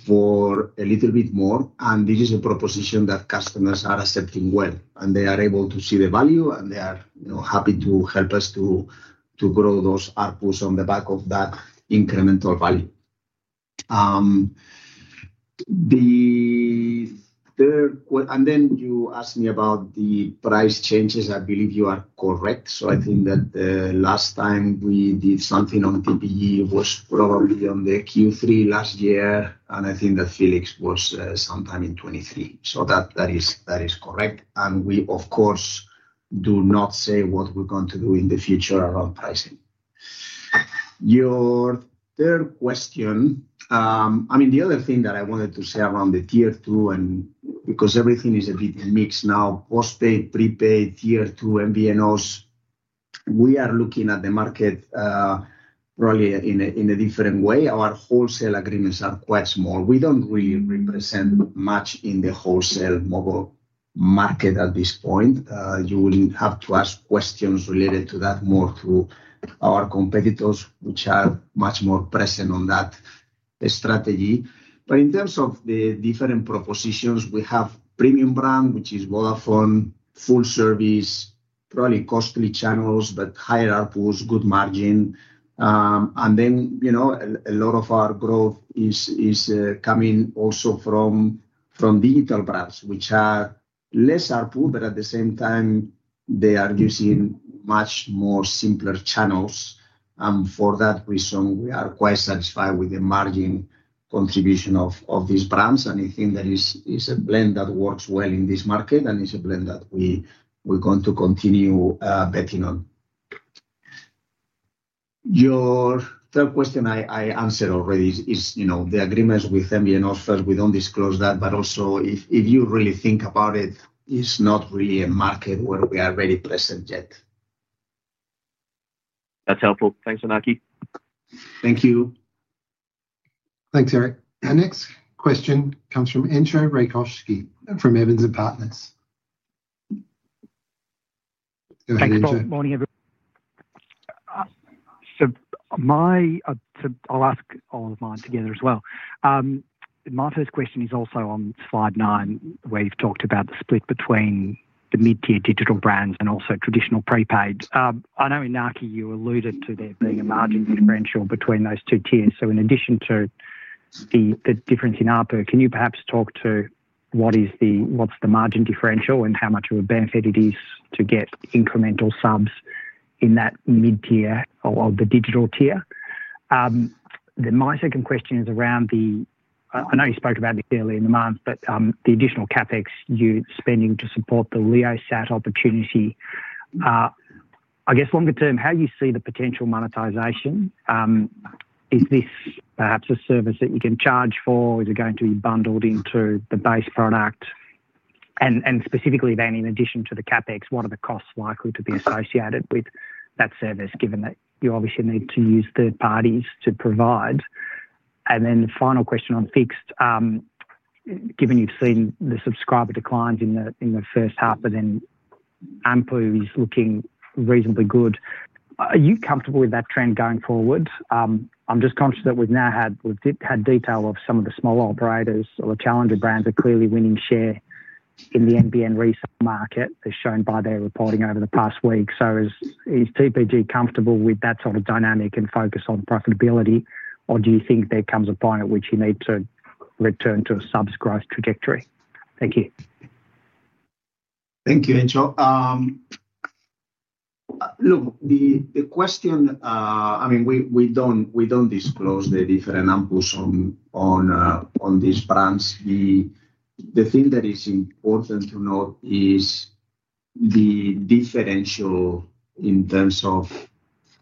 for a little bit more. This is a proposition that customers are accepting well. They are able to see the value, and they are happy to help us to grow those ARPUs on the back of that incremental value. You asked me about the price changes. I believe you are correct. I think that the last time we did something on TPG was probably in Q3 last year, and I think that felix was sometime in 2023. That is correct. We, of course, do not say what we're going to do in the future around pricing. Your third question, the other thing that I wanted to say around the tier two, and because everything is a bit mixed now, postpaid, prepaid, tier two, MVNOs, we are looking at the market probably in a different way. Our wholesale agreements are quite small. We don't really represent much in the wholesale mobile market at this point. You will have to ask questions related to that more through our competitors, which are much more present on that strategy. In terms of the different propositions, we have premium brands, which is Vodafone, full service, probably costly channels, but higher ARPUs, good margin. A lot of our growth is coming also from digital brands, which are less ARPU, but at the same time, they are using much more simpler channels. For that reason, we are quite satisfied with the margin contribution of these brands. I think that it's a blend that works well in this market, and it's a blend that we're going to continue betting on. Your third question I answered already is, you know, the agreements with MVNOs. First, we don't disclose that, but also, if you really think about it, it's not really a market where we are really present yet. That's helpful. Thanks, Iñaki. Thank you. Thanks, Eric. Our next question comes from [Andrzej Rakowski] from Evans and Partners. Thanks, Paul. I'll ask all of mine together as well. My first question is also on slide nine, where you've talked about the split between the mid-tier digital brands and also traditional prepaid. I know, Iñaki, you alluded to there being a margin differential between those two tiers. In addition to the difference in ARPU, can you perhaps talk to what is the margin differential and how much of a benefit it is to get incremental subs in that mid-tier or the digital tier? My second question is around the, I know you spoke about this earlier in the month, but the additional CapEx you're spending to support the low Earth orbit satellite connectivity opportunity. I guess, longer term, how do you see the potential monetization? Is this perhaps a service that you can charge for? Is it going to be bundled into the base product? Specifically, in addition to the CapEx, what are the costs likely to be associated with that service, given that you obviously need to use third parties to provide? The final question on fixed, given you've seen the subscriber declines in the first half, but then ARPU is looking reasonably good. Are you comfortable with that trend going forward? I'm just conscious that we've now had detail of some of the smaller operators or the challenger brands that are clearly winning share in the NBN recent market, as shown by their reporting over the past week. Is TPG comfortable with that sort of dynamic and focus on profitability? Do you think there comes a point at which you need to return to a subs growth trajectory? Thank you. Thank you, [Andrzej]. The question, I mean, we don't disclose the different ARPUs on these brands. The thing that is important to note is the differential in terms of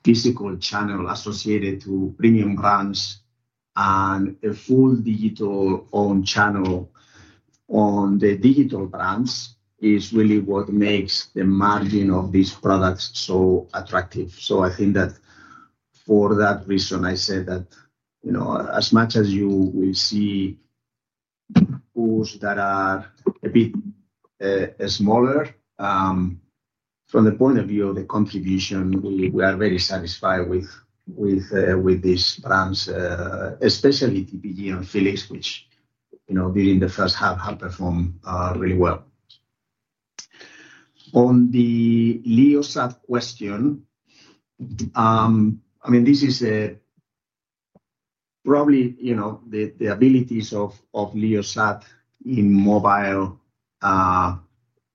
physical channel associated to premium brands and a full digital-owned channel on the digital brands is really what makes the margin of these products so attractive. I think that for that reason, I said that, you know, as much as you will see pools that are a bit smaller, from the point of view of the contribution, we are very satisfied with these brands, especially TPG and felix, which, you know, did in the first half, have performed really well. On the low Earth orbit satellite connectivity question, I mean, this is probably, you know, the abilities of low Earth orbit satellite connectivity in mobile.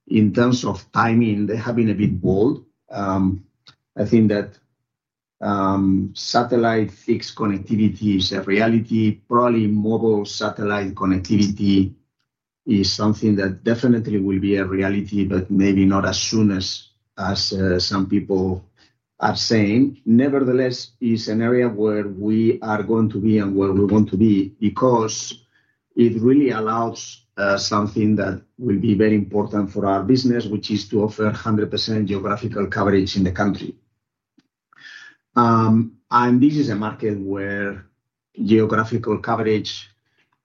In terms of timing, they have been a bit bold. I think that satellite fixed connectivity is a reality. Probably mobile satellite connectivity is something that definitely will be a reality, but maybe not as soon as some people are saying. Nevertheless, it's an area where we are going to be and where we want to be because it really allows something that will be very important for our business, which is to offer 100% geographical coverage in the country. This is a market where geographical coverage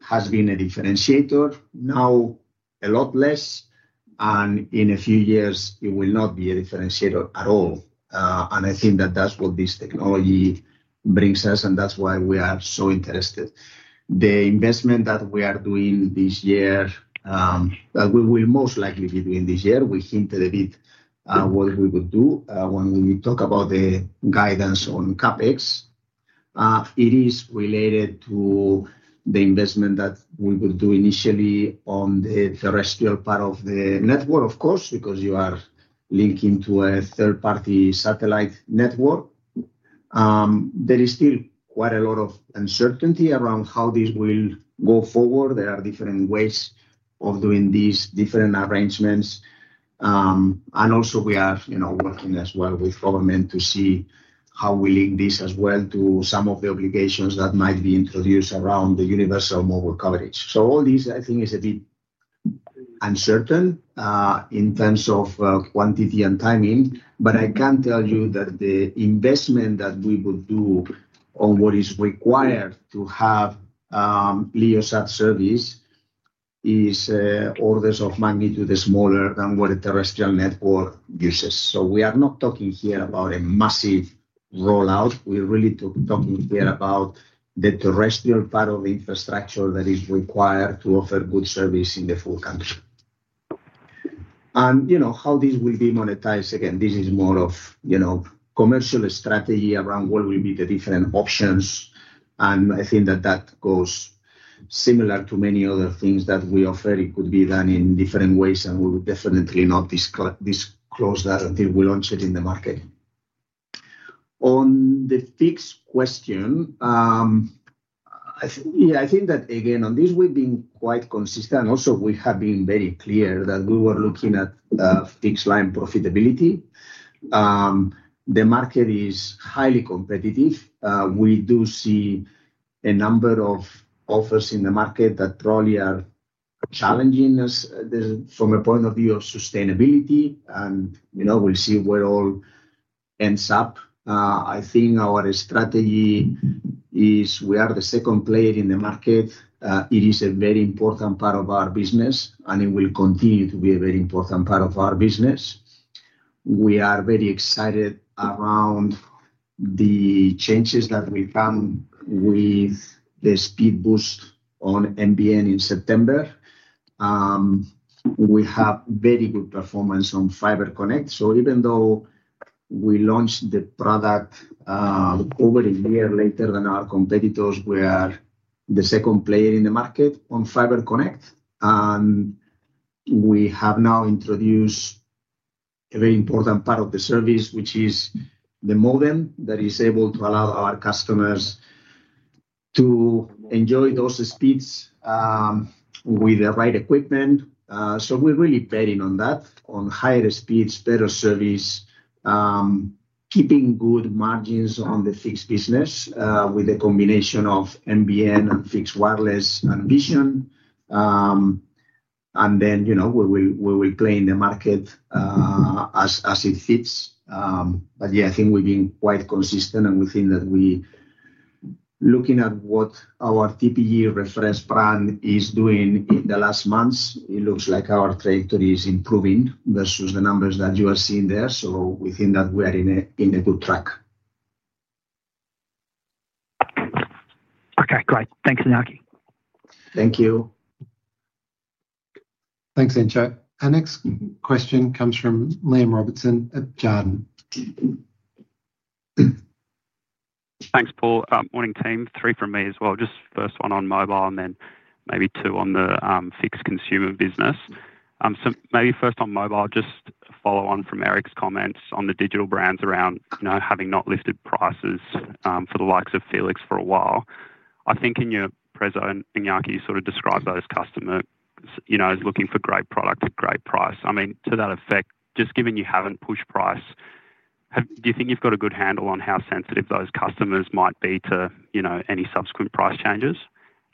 has been a differentiator, now a lot less, and in a few years, it will not be a differentiator at all. I think that that's what this technology brings us, and that's why we are so interested. The investment that we are doing this year, that we will most likely be doing this year, we hinted a bit what we would do when we talk about the guidance on CapEx. It is related to the investment that we would do initially on the terrestrial part of the network, of course, because you are linking to a third-party satellite network. There is still quite a lot of uncertainty around how this will go forward. There are different ways of doing this, different arrangements. We are working as well with government to see how we link this as well to some of the obligations that might be introduced around the universal mobile coverage. All this, I think, is a bit uncertain in terms of quantity and timing, but I can tell you that the investment that we would do on what is required to have low Earth orbit satellite connectivity service is orders of magnitude smaller than what a terrestrial network uses. We are not talking here about a massive rollout. We're really talking here about the terrestrial part of the infrastructure that is required to offer good service in the full country. You know how this will be monetized. Again, this is more of a commercial strategy around what will be the different options. I think that goes similar to many other things that we offer. It could be done in different ways, and we will definitely not disclose that until we launch it in the market. On the fixed question, I think that, again, on this, we've been quite consistent. Also, we have been very clear that we were looking at fixed line profitability. The market is highly competitive. We do see a number of offers in the market that probably are challenging us from a point of view of sustainability. We'll see where it all ends up. I think our strategy is we are the second player in the market. It is a very important part of our business, and it will continue to be a very important part of our business. We are very excited around the changes that we've done with the speed boost on NBN in September. We have very good performance on FiberConnect. Even though we launched the product over a year later than our competitors, we are the second player in the market on FiberConnect. We have now introduced a very important part of the service, which is the modem that is able to allow our customers to enjoy those speeds with the right equipment. We're really betting on that, on higher speeds, better service, keeping good margins on the fixed business with the combination of NBN and fixed wireless and Vision. You know, we will play in the market as it fits. I think we've been quite consistent, and we think that we're looking at what our TPG refresh plan is doing in the last month. It looks like our trajectory is improving versus the numbers that you are seeing there. We think that we are on a good track. Okay, great. Thanks, Iñaki. Thank you. Thanks, [Andrzej]. Our next question comes from Liam Robertson at Jarden. Thanks, Paul. Morning, team. Three from me as well. Just first one on mobile and then maybe two on the fixed consumer business. First on mobile, just follow on from Eric's comments on the digital-first brands around, you know, having not lifted prices for the likes of felix for a while. I think in your preso, Iñaki, you sort of describe those customers, you know, as looking for great product at great price. To that effect, just given you haven't pushed price, do you think you've got a good handle on how sensitive those customers might be to, you know, any subsequent price changes?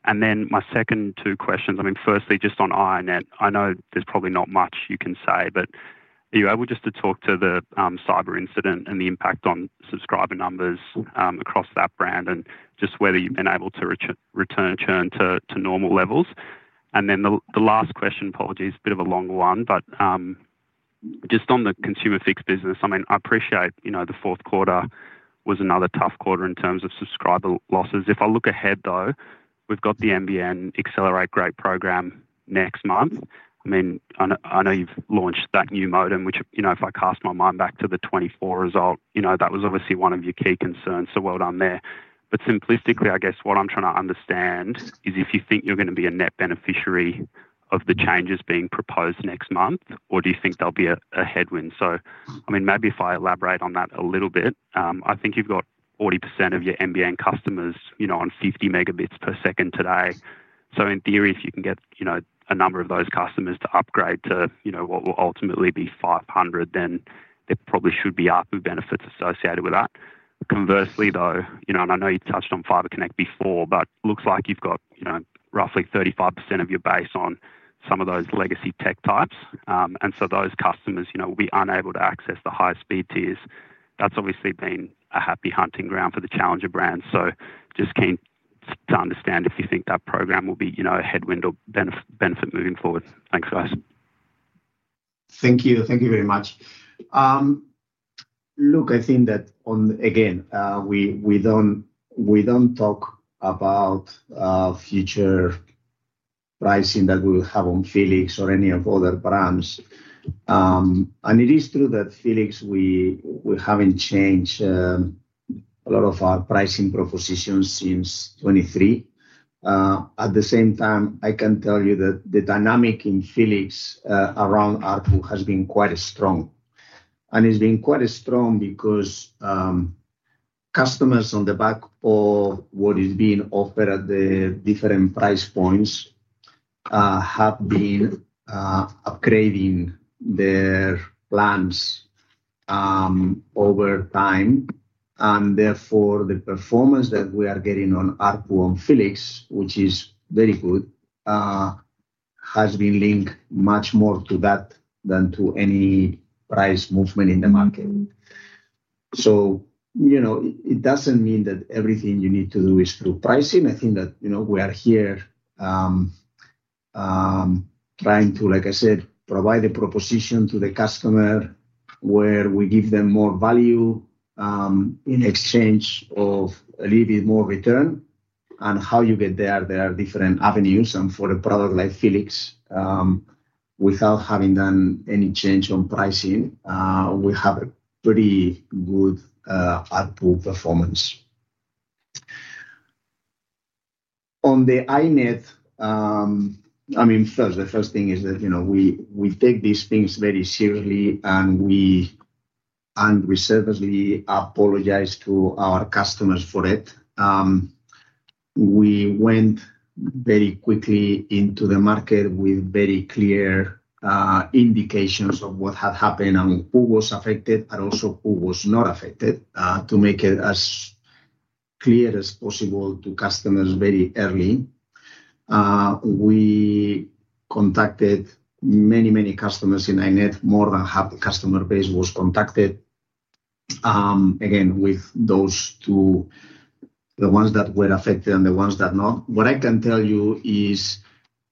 Then my second two questions, firstly, just on iiNet, I know there's probably not much you can say, but are you able just to talk to the cyber incident and the impact on subscriber numbers across that brand and just whether you've been able to return to normal levels? The last question, apologies, a bit of a longer one, just on the consumer fixed business. I appreciate the fourth quarter was another tough quarter in terms of subscriber losses. If I look ahead, we've got the NBN Accelerate Great program next month. I know you've launched that new modem, which, if I cast my mind back to the 2024 result, that was obviously one of your key concerns. Well done there. Simplistically, I guess what I'm trying to understand is if you think you're going to be a net beneficiary of the changes being proposed next month, or do you think there'll be a headwind? If I elaborate on that a little bit, I think you've got 40% of your NBN customers on 50 Mbps today. In theory, if you can get a number of those customers to upgrade to what will ultimately be 500 Mbps, then there probably should be ARPU benefits associated with that. Conversely, though, and I know you touched on FiberConnect before, it looks like you've got roughly 35% of your base on some of those legacy tech types. Those customers will be unable to access the high speed tiers. That's obviously been a happy hunting ground for the challenger brands. Just keen to understand if you think that program will be a headwind or benefit moving forward. Thanks, guys. Thank you. Thank you very much. Look, I think that, again, we don't talk about future pricing that we'll have on felix or any of the other brands. It is true that felix, we haven't changed a lot of our pricing propositions since 2023. At the same time, I can tell you that the dynamic in felix around ARPU has been quite strong. It's been quite strong because customers, on the back of what is being offered at the different price points, have been upgrading their plans over time. Therefore, the performance that we are getting on ARPU on felix, which is very good, has been linked much more to that than to any price movement in the market. It doesn't mean that everything you need to do is through pricing. I think that we are here trying to, like I said, provide a proposition to the customer where we give them more value in exchange of a little bit more return. How you get there, there are different avenues. For a product like felix, without having done any change on pricing, we have a pretty good ARPU performance. On iiNet, I mean, first, the first thing is that we take these things very seriously and we reservedly apologize to our customers for it. We went very quickly into the market with very clear indications of what had happened and who was affected and also who was not affected to make it as clear as possible to customers very early. We contacted many, many customers in iiNet. More than half the customer base was contacted, again, with those two, the ones that were affected and the ones that not. What I can tell you is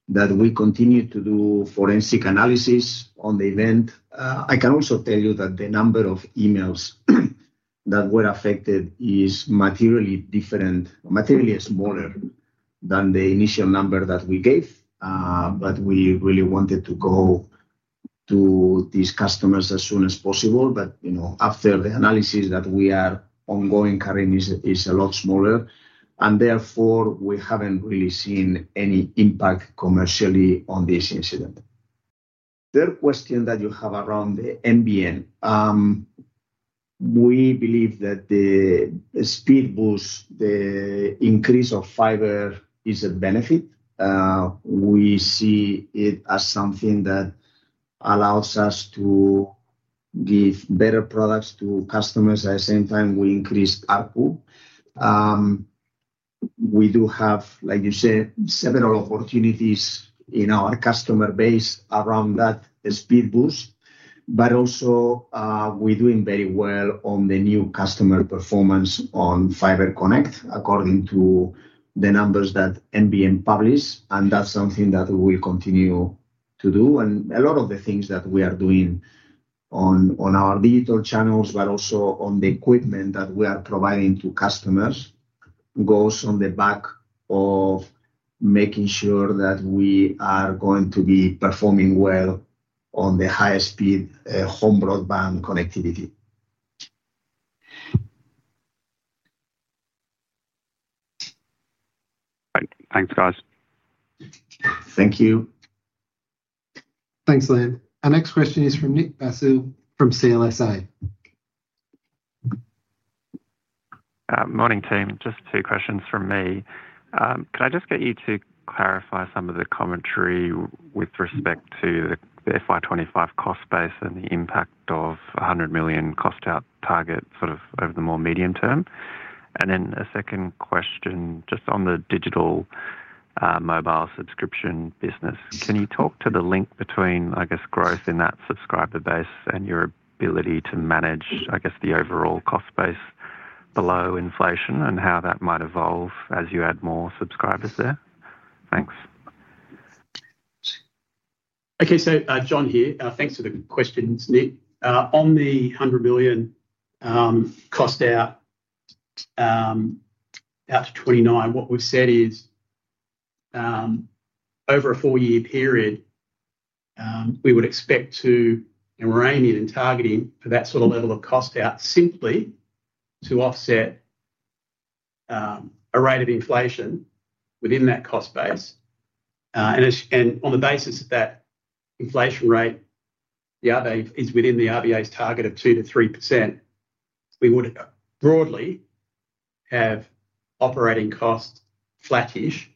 that we continue to do forensic analysis on the event. I can also tell you that the number of emails that were affected is materially different, materially smaller than the initial number that we gave. We really wanted to go to these customers as soon as possible. After the analysis that we are ongoing currently, it is a lot smaller. Therefore, we haven't really seen any impact commercially on this incident. Third question that you have around the NBN. We believe that the speed boost, the increase of fiber, is a benefit. We see it as something that allows us to give better products to customers. At the same time, we increased ARPU. We do have, like you said, several opportunities in our customer base around that speed boost. We are also doing very well on the new customer performance on FiberConnect, according to the numbers that NBN publishes. That is something that we will continue to do. A lot of the things that we are doing on our digital channels, and also on the equipment that we are providing to customers, goes on the back of making sure that we are going to be performing well on the high-speed home broadband connectivity. Thanks, guys. Thank you. Thanks, Liam. Our next question is from [Nick Basu] from CLSA. Morning, team. Just two questions from me. Could I just get you to clarify some of the commentary with respect to the FY 2025 cost base and the impact of 100 million cost out target over the more medium-term? A second question just on the digital mobile subscription business. Can you talk to the link between, I guess, growth in that subscriber base and your ability to manage, I guess, the overall cost base below inflation and how that might evolve as you add more subscribers there? Thanks. Okay, so John here. Thanks for the question, [Nick]. On the 100 million cost out out to 2029, what we've said is over a four-year period, we would expect to remain in targeting for that sort of level of cost out simply to offset a rate of inflation within that cost base. On the basis of that inflation rate, the RVA is within the RVA's target of 2%-3%. We would broadly have operating costs flattish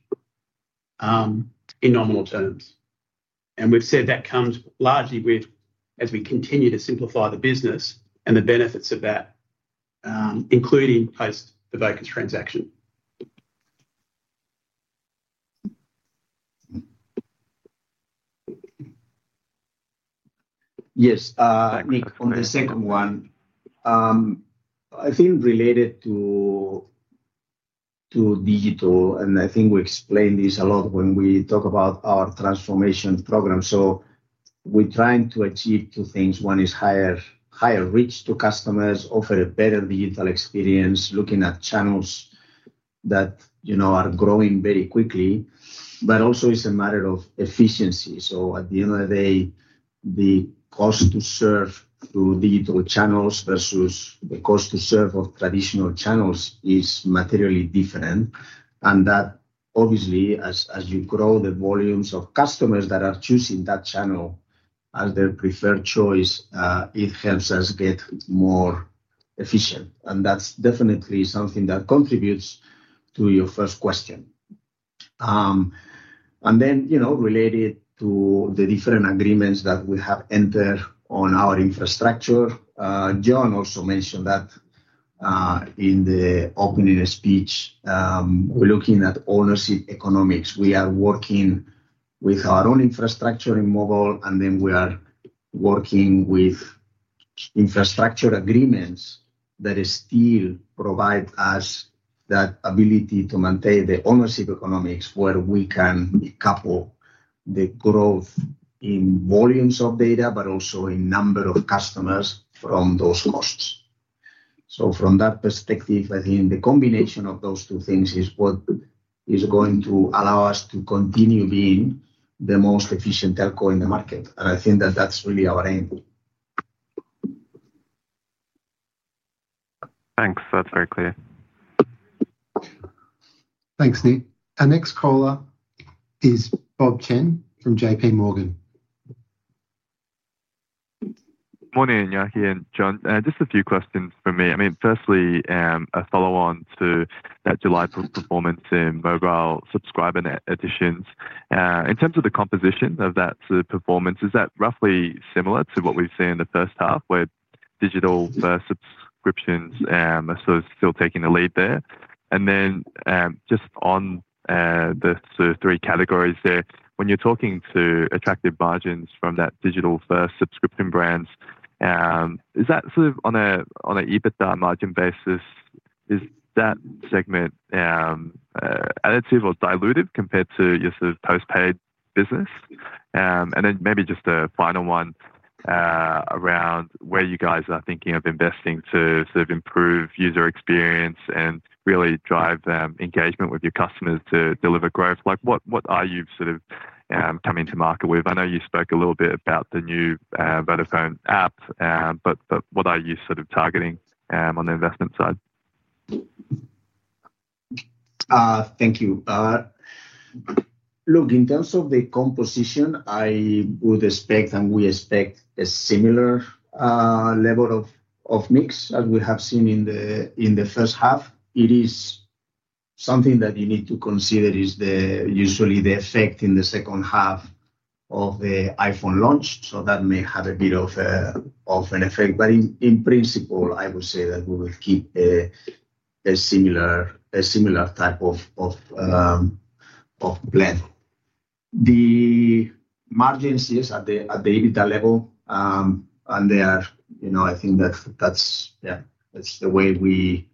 in nominal terms. We've said that comes largely with as we continue to simplify the business and the benefits of that, including post-Vocus transaction. Yes, Nick, for the second one. I think related to digital, and I think we explain this a lot when we talk about our transformation program. We're trying to achieve two things. One is higher reach to customers, offer a better digital experience, looking at channels that are growing very quickly. It's a matter of efficiency. At the end of the day, the cost to serve through digital channels versus the cost to serve of traditional channels is materially different. Obviously, as you grow the volumes of customers that are choosing that channel as their preferred choice, it helps us get more efficient. That's definitely something that contributes to your first question. Related to the different agreements that we have entered on our infrastructure, John also mentioned that in the opening speech, we're looking at ownership economics. We are working with our own infrastructure in mobile, and we are working with infrastructure agreements that still provide us that ability to maintain the ownership economics where we can. The growth in volumes of data, but also in the number of customers from those hosts. From that perspective, I think the combination of those two things is what is going to allow us to continue being the most efficient telco in the market. I think that that's really our aim. Thanks. That's very clear. Thanks, Ni. Our next caller is Bob Chen from JPMorgan. Morning, Iñaki and John. Just a few questions from me. Firstly, a follow-on to that July performance in mobile subscriber net additions. In terms of the composition of that performance, is that roughly similar to what we've seen in the first half, where digital-first subscriptions are still taking the lead there? On the three categories there, when you're talking to attractive margins from that digital-first subscription brands, is that sort of on an EBITDA margin basis? Is that segment additive or diluted compared to your sort of postpaid business? Maybe just a final one around where you guys are thinking of investing to improve user experience and really drive engagement with your customers to deliver growth. What are you sort of coming to market with? I know you spoke a little bit about the new Vodafone app, but what are you targeting on the investment side? Thank you. Look, in terms of the composition, I would expect and we expect a similar level of mix as we have seen in the first half. It is something that you need to consider is usually the effect in the second half of the iPhone launch. That may have a bit of an effect. In principle, I would say that we would keep a similar type of blend. The margins at the EBITDA level, and they are, you know, I think that that's the way we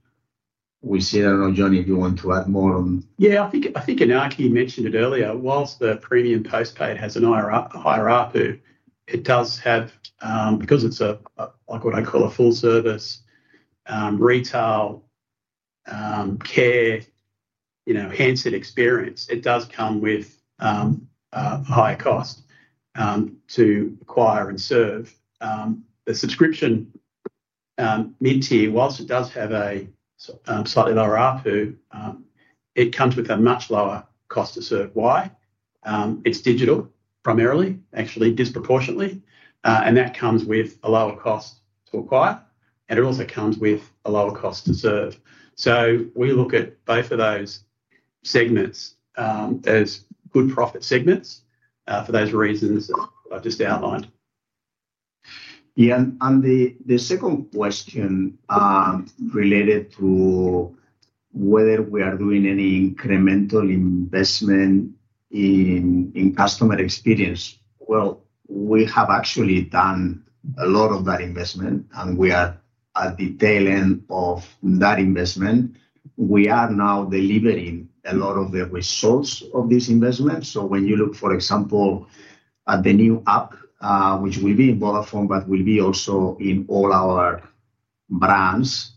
see it. I don't know, John, if you want to add more on. Yeah, I think Iñaki mentioned it earlier. Whilst the premium postpaid has a higher ARPU, it does have, because it's a, like what I call a full-service, retail, care, you know, handset experience, it does come with a higher cost to acquire and serve. The subscription mid-tier, whilst it does have a slightly lower ARPU, it comes with a much lower cost to serve. Why? It's digital primarily, actually, disproportionately. That comes with a lower cost to acquire. It also comes with a lower cost to serve. We look at both of those segments as good profit segments for those reasons I've just outlined. The second question related to whether we are doing any incremental investment in customer experience. We have actually done a lot of that investment, and we are at the tail end of that investment. We are now delivering a lot of the results of this investment. When you look, for example, at the new app, which will be in Vodafone, but will be also in all our brands,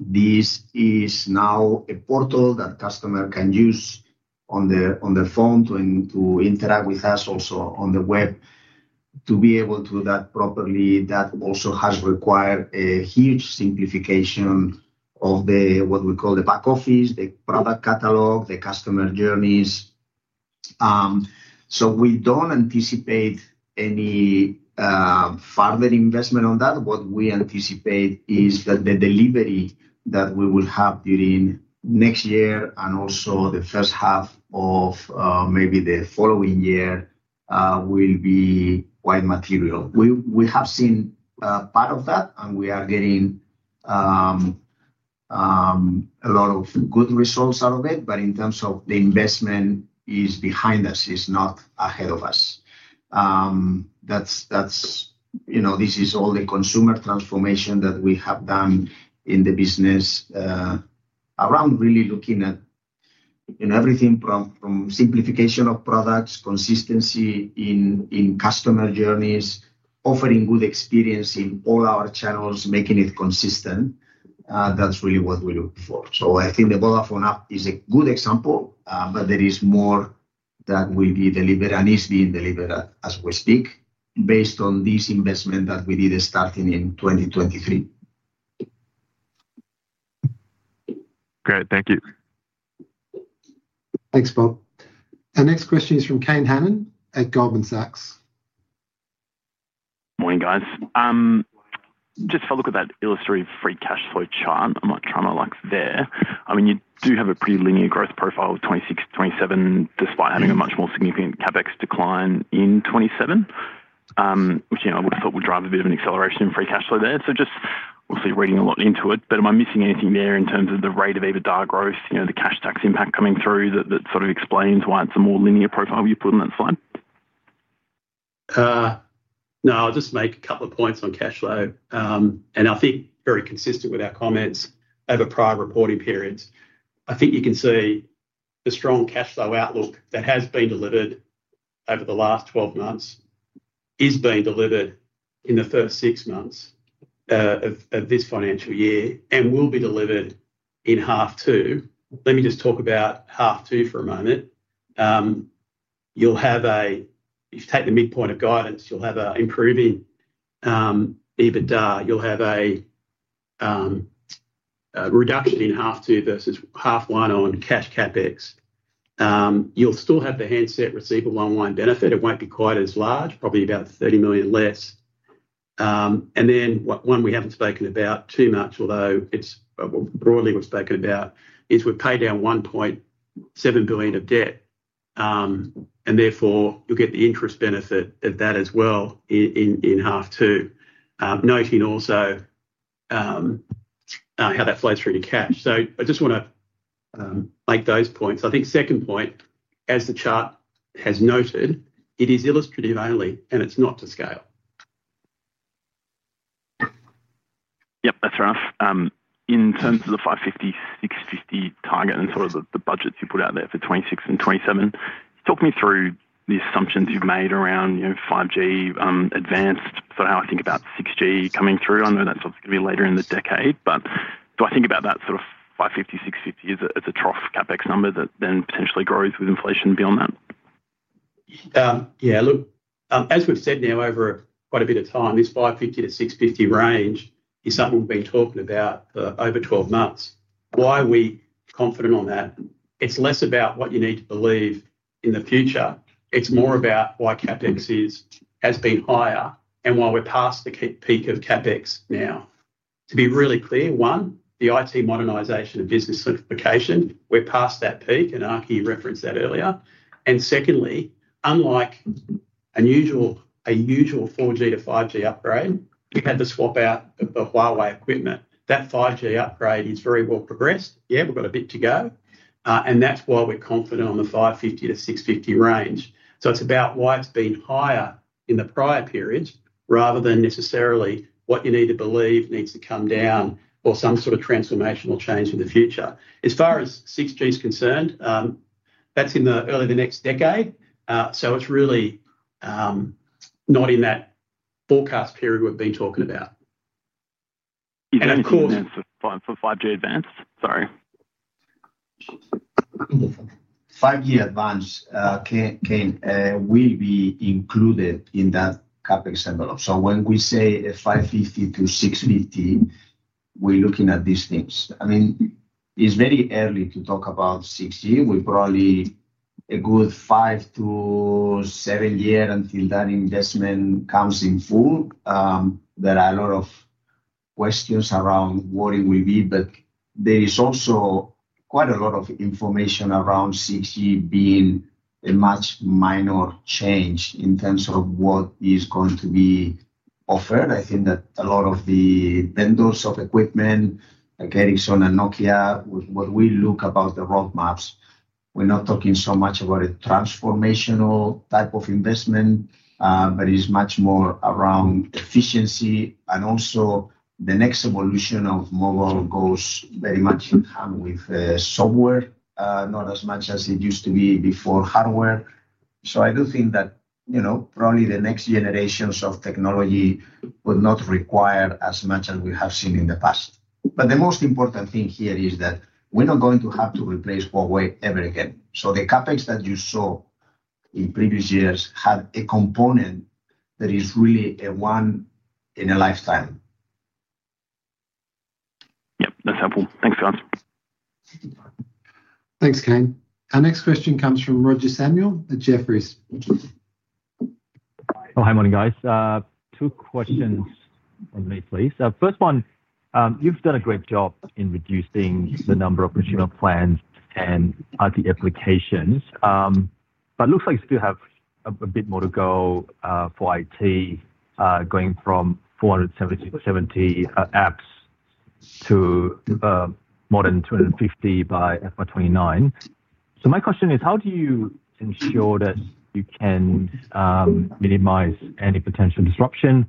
this is now a portal that customers can use on their phone to interact with us also on the web. To be able to do that properly, that also has required a huge simplification of what we call the back office, the product catalog, the customer journeys. We don't anticipate any further investment on that. What we anticipate is that the delivery that we will have during next year and also the first half of maybe the following year will be quite material. We have seen part of that, and we are getting a lot of good results out of it. In terms of the investment, it's behind us. It's not ahead of us. This is all the consumer transformation that we have done in the business around really looking at everything from simplification of products, consistency in customer journeys, offering good experience in all our channels, making it consistent. That's really what we're looking for. I think the Vodafone app is a good example, but there is more that will be delivered and is being delivered as we speak based on this investment that we did starting in 2023. Great. Thank you. Thanks, Bob. Our next question is from [Kian Hammond] at Goldman Sachs. Morning, guys. If I look at that illustrative free cash flow chart, I'm not trying to like there. I mean, you do have a pretty linear growth profile of 2026-2027 despite having a much more significant CapEx decline in 2027, which I would have thought would drive a bit of an acceleration in free cash flow there. Obviously, reading a lot into it. Am I missing anything there in terms of the rate of EBITDA growth, the cash tax impact coming through that sort of explains why it's a more linear profile you put on that slide? No, I'll just make a couple of points on cash flow. I think very consistent with our comments over prior reporting periods, I think you can see the strong cash flow outlook that has been delivered over the last 12 months is being delivered in the first six months of this financial year and will be delivered in half two. Let me just talk about half two for a moment. If you take the midpoint of guidance, you'll have an improving EBITDA. You'll have a reduction in half two versus half one on cash CapEx. You'll still have the handset receipt of one-on-one benefit. It won't be quite as large, probably about 30 million less. One we haven't spoken about too much, although it's broadly we've spoken about, is we've paid down 1.7 billion of debt. Therefore, you'll get the interest benefit of that as well in half two, noting also how that flows through to cash. I just want to make those points. Second point, as the chart has noted, it is illustrative only, and it's not to scale. Yep, that's fair enough. In terms of the 550 million, 650 million target and the budgets you put out there for 2026 and 2027, talk me through the assumptions you've made around 5G Advanced, how I think about 6G coming through. I know that's obviously going to be later in the decade, but do I think about that 550 million, 650 million as a trough CapEx number that then potentially grows with inflation beyond that? Yeah, look, as we've said now over quite a bit of time, this 550 million-650 million range is something we've been talking about for over 12 months. Why are we confident on that? It's less about what you need to believe in the future. It's more about why CapEx has been higher and why we're past the peak of CapEx now. To be really clear, one, the IT modernisation and business simplification, we're past that peak, and Iñaki referenced that earlier. Secondly, unlike a usual 4G to 5G upgrade, we had the swap out of the Huawei equipment. That 5G upgrade is very well progressed. We've got a bit to go, and that's why we're confident on the 550 million-650 million range. It's about why it's been higher in the prior periods rather than necessarily what you need to believe needs to come down or some sort of transformational change in the future. As far as 6G is concerned, that's in the early next decade. It's really not in that forecast period we've been talking about. For 5G advanced, sorry. 5G Advanced, [Kian], will be included in that CapEx envelope. When we say 550 million-650 million, we're looking at these things. It's very early to talk about 6G. We're probably a good five to seven years until that investment comes in full. There are a lot of questions around what it will be, but there is also quite a lot of information around 6G being a much minor change in terms of what is going to be offered. I think that a lot of the vendors of equipment, I get it, Sony and Nokia, when we look at the roadmaps, we're not talking so much about a transformational type of investment. It's much more around efficiency. The next evolution of mobile goes very much in hand with software, not as much as it used to be before with hardware. I do think that probably the next generations of technology would not require as much as we have seen in the past. The most important thing here is that we're not going to have to replace Huawei ever again. The CapEx that you saw in previous years had a component that is really a one in a lifetime. That's helpful. Thanks, guys. Thanks, [Kian]. Our next question comes from Roger Samuel at Jefferies. Oh, hi, morning, guys. Two questions on me, please. First one, you've done a great job in reducing the number of consumer plans and IT applications. It looks like you still have a bit more to go for IT, going from 470 apps to more than 250 by FY 2029. My question is, how do you ensure that you can minimize any potential disruption,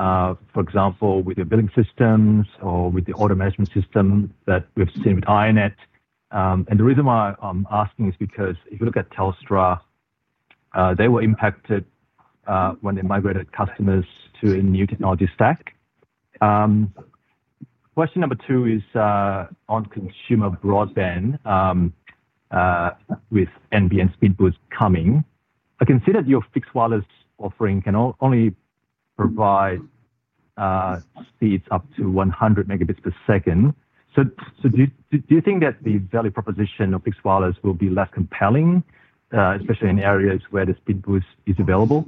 for example, with your billing systems or with the order management system that we've seen with iiNet? The reason why I'm asking is because if you look at Telstra, they were impacted when they migrated customers to a new technology stack. Question number two is on consumer broadband with NBN speed boost coming. I considered your fixed wireless offering can only provide speeds up to 100 Mbps. Do you think that the value proposition of fixed wireless will be less compelling, especially in areas where the speed boost is available?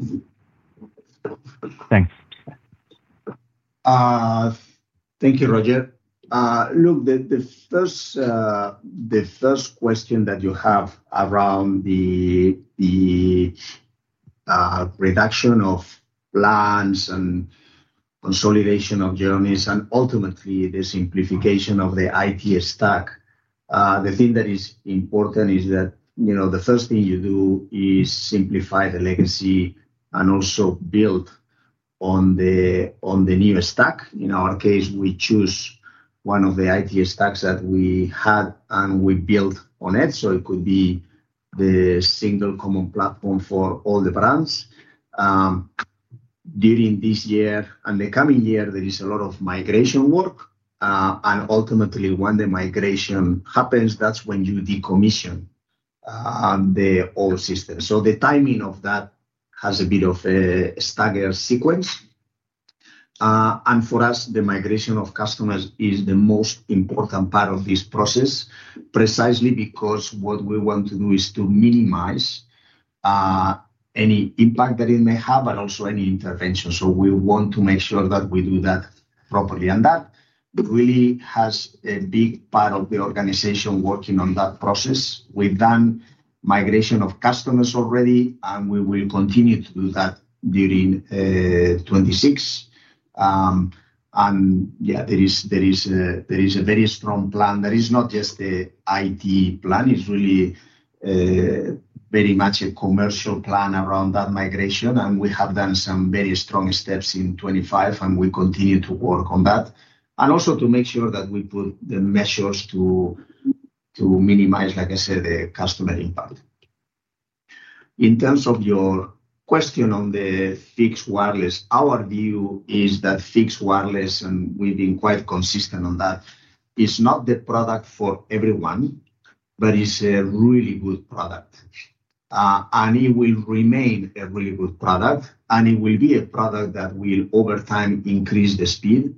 Thanks. Thank you, Roger. The first question that you have around the reduction of plans and consolidation of journeys and ultimately the simplification of the IT stack, the thing that is important is that the first thing you do is simplify the legacy and also build on the new stack. In our case, we choose one of the IT stacks that we had and we built on it. It could be the single common platform for all the brands. During this year and the coming year, there is a lot of migration work. Ultimately, when the migration happens, that's when you decommission the old system. The timing of that has a bit of a staggered sequence. For us, the migration of customers is the most important part of this process, precisely because what we want to do is to minimize any impact that it may have, but also any intervention. We want to make sure that we do that properly. That really has a big part of the organization working on that process. We've done migration of customers already, and we will continue to do that during 2026. There is a very strong plan. That is not just the IT plan. It's really very much a commercial plan around that migration. We have done some very strong steps in 2025, and we continue to work on that. Also, to make sure that we put the measures to minimize, like I said, the customer impact. In terms of your question on the fixed wireless, our view is that fixed wireless, and we've been quite consistent on that, is not the product for everyone, but it's a really good product. It will remain a really good product. It will be a product that will, over time, increase the speed.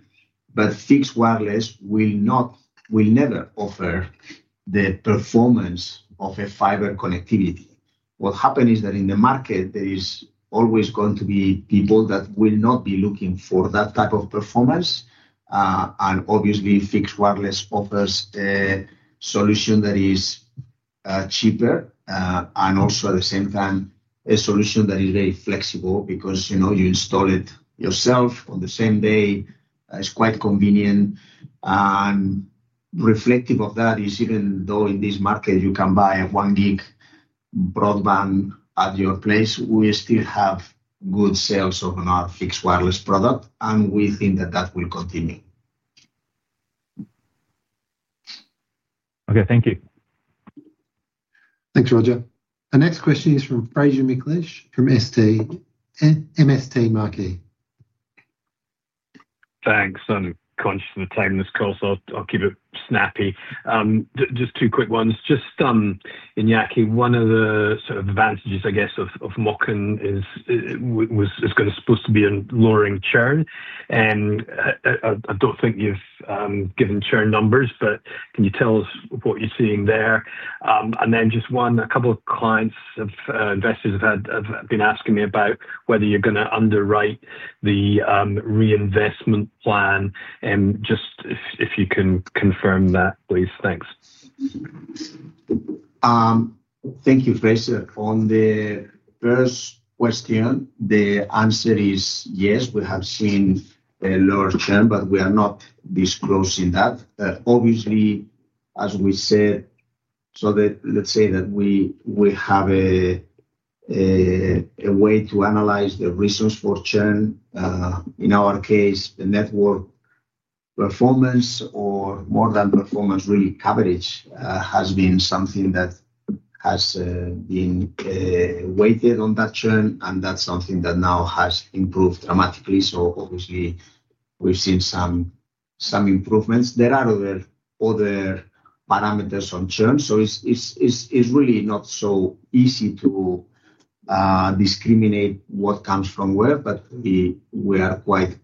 Fixed wireless will not, will never offer the performance of a fiber connectivity. What happened is that in the market, there is always going to be people that will not be looking for that type of performance. Obviously, fixed wireless offers a solution that is cheaper and also, at the same time, a solution that is very flexible because you install it yourself on the same day. It's quite convenient. Reflective of that is, even though in this market you can buy a one-gig broadband at your place, we still have good sales of our fixed wireless product. We think that that will continue. Okay. Thank you. Thanks, Roger. Our next question is from Fraser McLeish from MST Marquee. Thanks. I'm conscious of the time in this call, so I'll keep it snappy. Just two quick ones. Just Iñaki, one of the sort of advantages, I guess, of mobile is it's supposed to be lowering churn. I don't think you've given churn numbers, but can you tell us what you're seeing there? A couple of clients and investors have been asking me about whether you're going to underwrite the reinvestment plan. If you can confirm that, please. Thanks. Thank you, Fraser. On the first question, the answer is yes, we have seen a lower churn, but we are not disclosing that. Obviously, as we said, let's say that we have a way to analyze the reasons for churn. In our case, the network performance or, more than performance, really, coverage has been something that has been weighted on that churn. That's something that now has improved dramatically. Obviously, we've seen some improvements. There are other parameters on churn, so it's really not so easy to discriminate what comes from where, but we are quite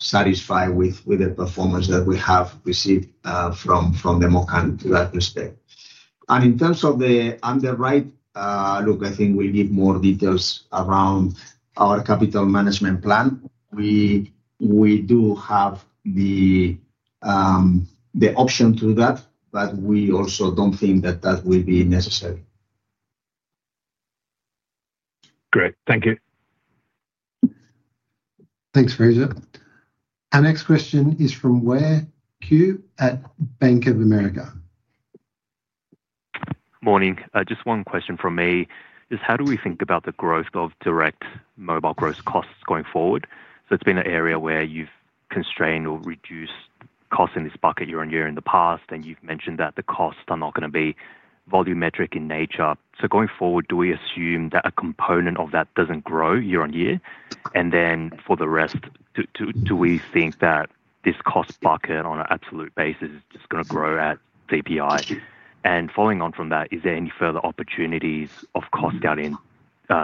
satisfied with the performance that we have received from the [Mocken] to that respect. In terms of the underwrite, look, I think we need more details around our capital management plan. We do have the option to do that, but we also don't think that that would be necessary. Great. Thank you. Thanks, Fraser. Our next question is from [Ware Q] at Bank of America. Morning. Just one question from me is how do we think about the growth of direct mobile growth costs going forward? It's been an area where you've constrained or reduced costs in this bucket year on year in the past. You've mentioned that the costs are not going to be volumetric in nature. Going forward, do we assume that a component of that doesn't grow year on year? For the rest, do we think that this cost bucket on an absolute basis is just going to grow at KPI? Following on from that, is there any further opportunities of cost cutting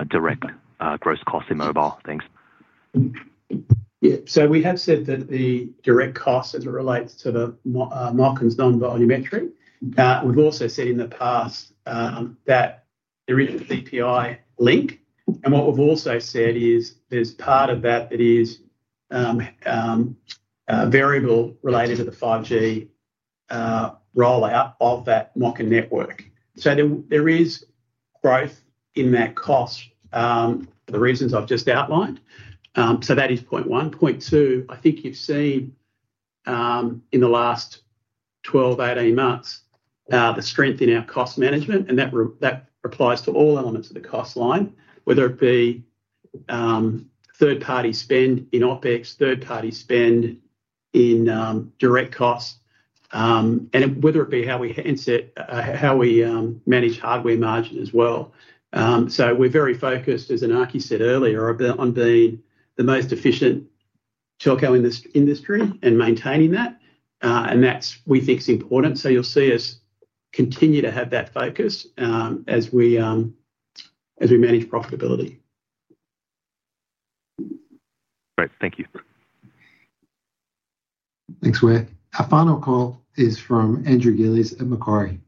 direct gross costs in mobile things? Yeah. We have said that the direct cost as it relates to the market is non-volumetric. We've also said in the past that there is a KPI link. What we've also said is there's part of that that is variable related to the 5G rollout of that network. There is growth in that cost for the reasons I've just outlined. That is point one. Point two, I think you've seen in the last 12-18 months the strength in our cost management. That applies to all elements of the cost line, whether it be third-party spend in OpEx, third-party spend in direct costs, and whether it be how we manage hardware margin as well. We're very focused, as Iñaki said earlier, on being the most efficient telco in this industry and maintaining that. We think that's important. You'll see us continue to have that focus as we manage profitability. Great, thank you. Thanks, Ware. Our final call is from Andrew Gillies at Macquarie.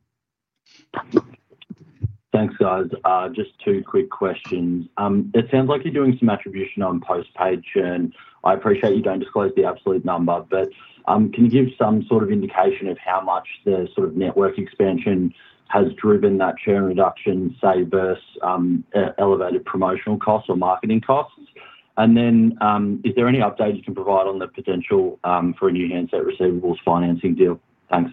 Thanks, guys. Just two quick questions. It sounds like you're doing some attribution on postpaid churn. I appreciate you don't disclose the absolute number, but can you give some sort of indication of how much the sort of network expansion has driven that churn reduction, say, versus elevated promotional costs or marketing costs? Is there any update you can provide on the potential for a new handset receivables financing deal? Thanks.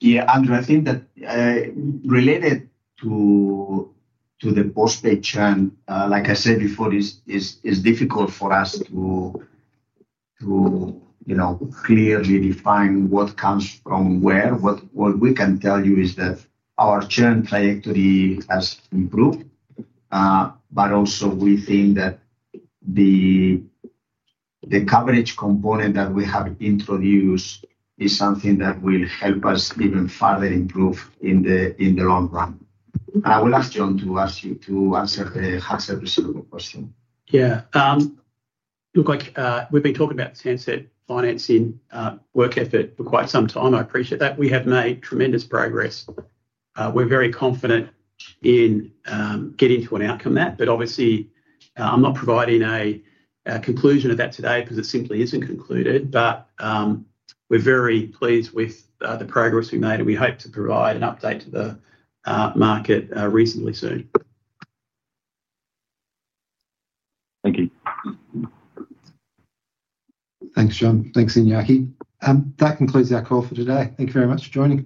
Yeah. I think that related to the postpaid churn, like I said before, it's difficult for us to clearly define what comes from where. What we can tell you is that our churn trajectory has improved. We think that the coverage component that we have introduced is something that will help us even further improve in the long run. I will ask John to answer the hard service question. Yeah. Look, we've been talking about handset financing work effort for quite some time. I appreciate that. We have made tremendous progress. We're very confident in getting to an outcome there. Obviously, I'm not providing a conclusion of that today because it simply isn't concluded. We're very pleased with the progress we made, and we hope to provide an update to the market reasonably soon. Thank you. Thanks, John. Thanks, Iñaki. That concludes our call for today. Thank you very much, John.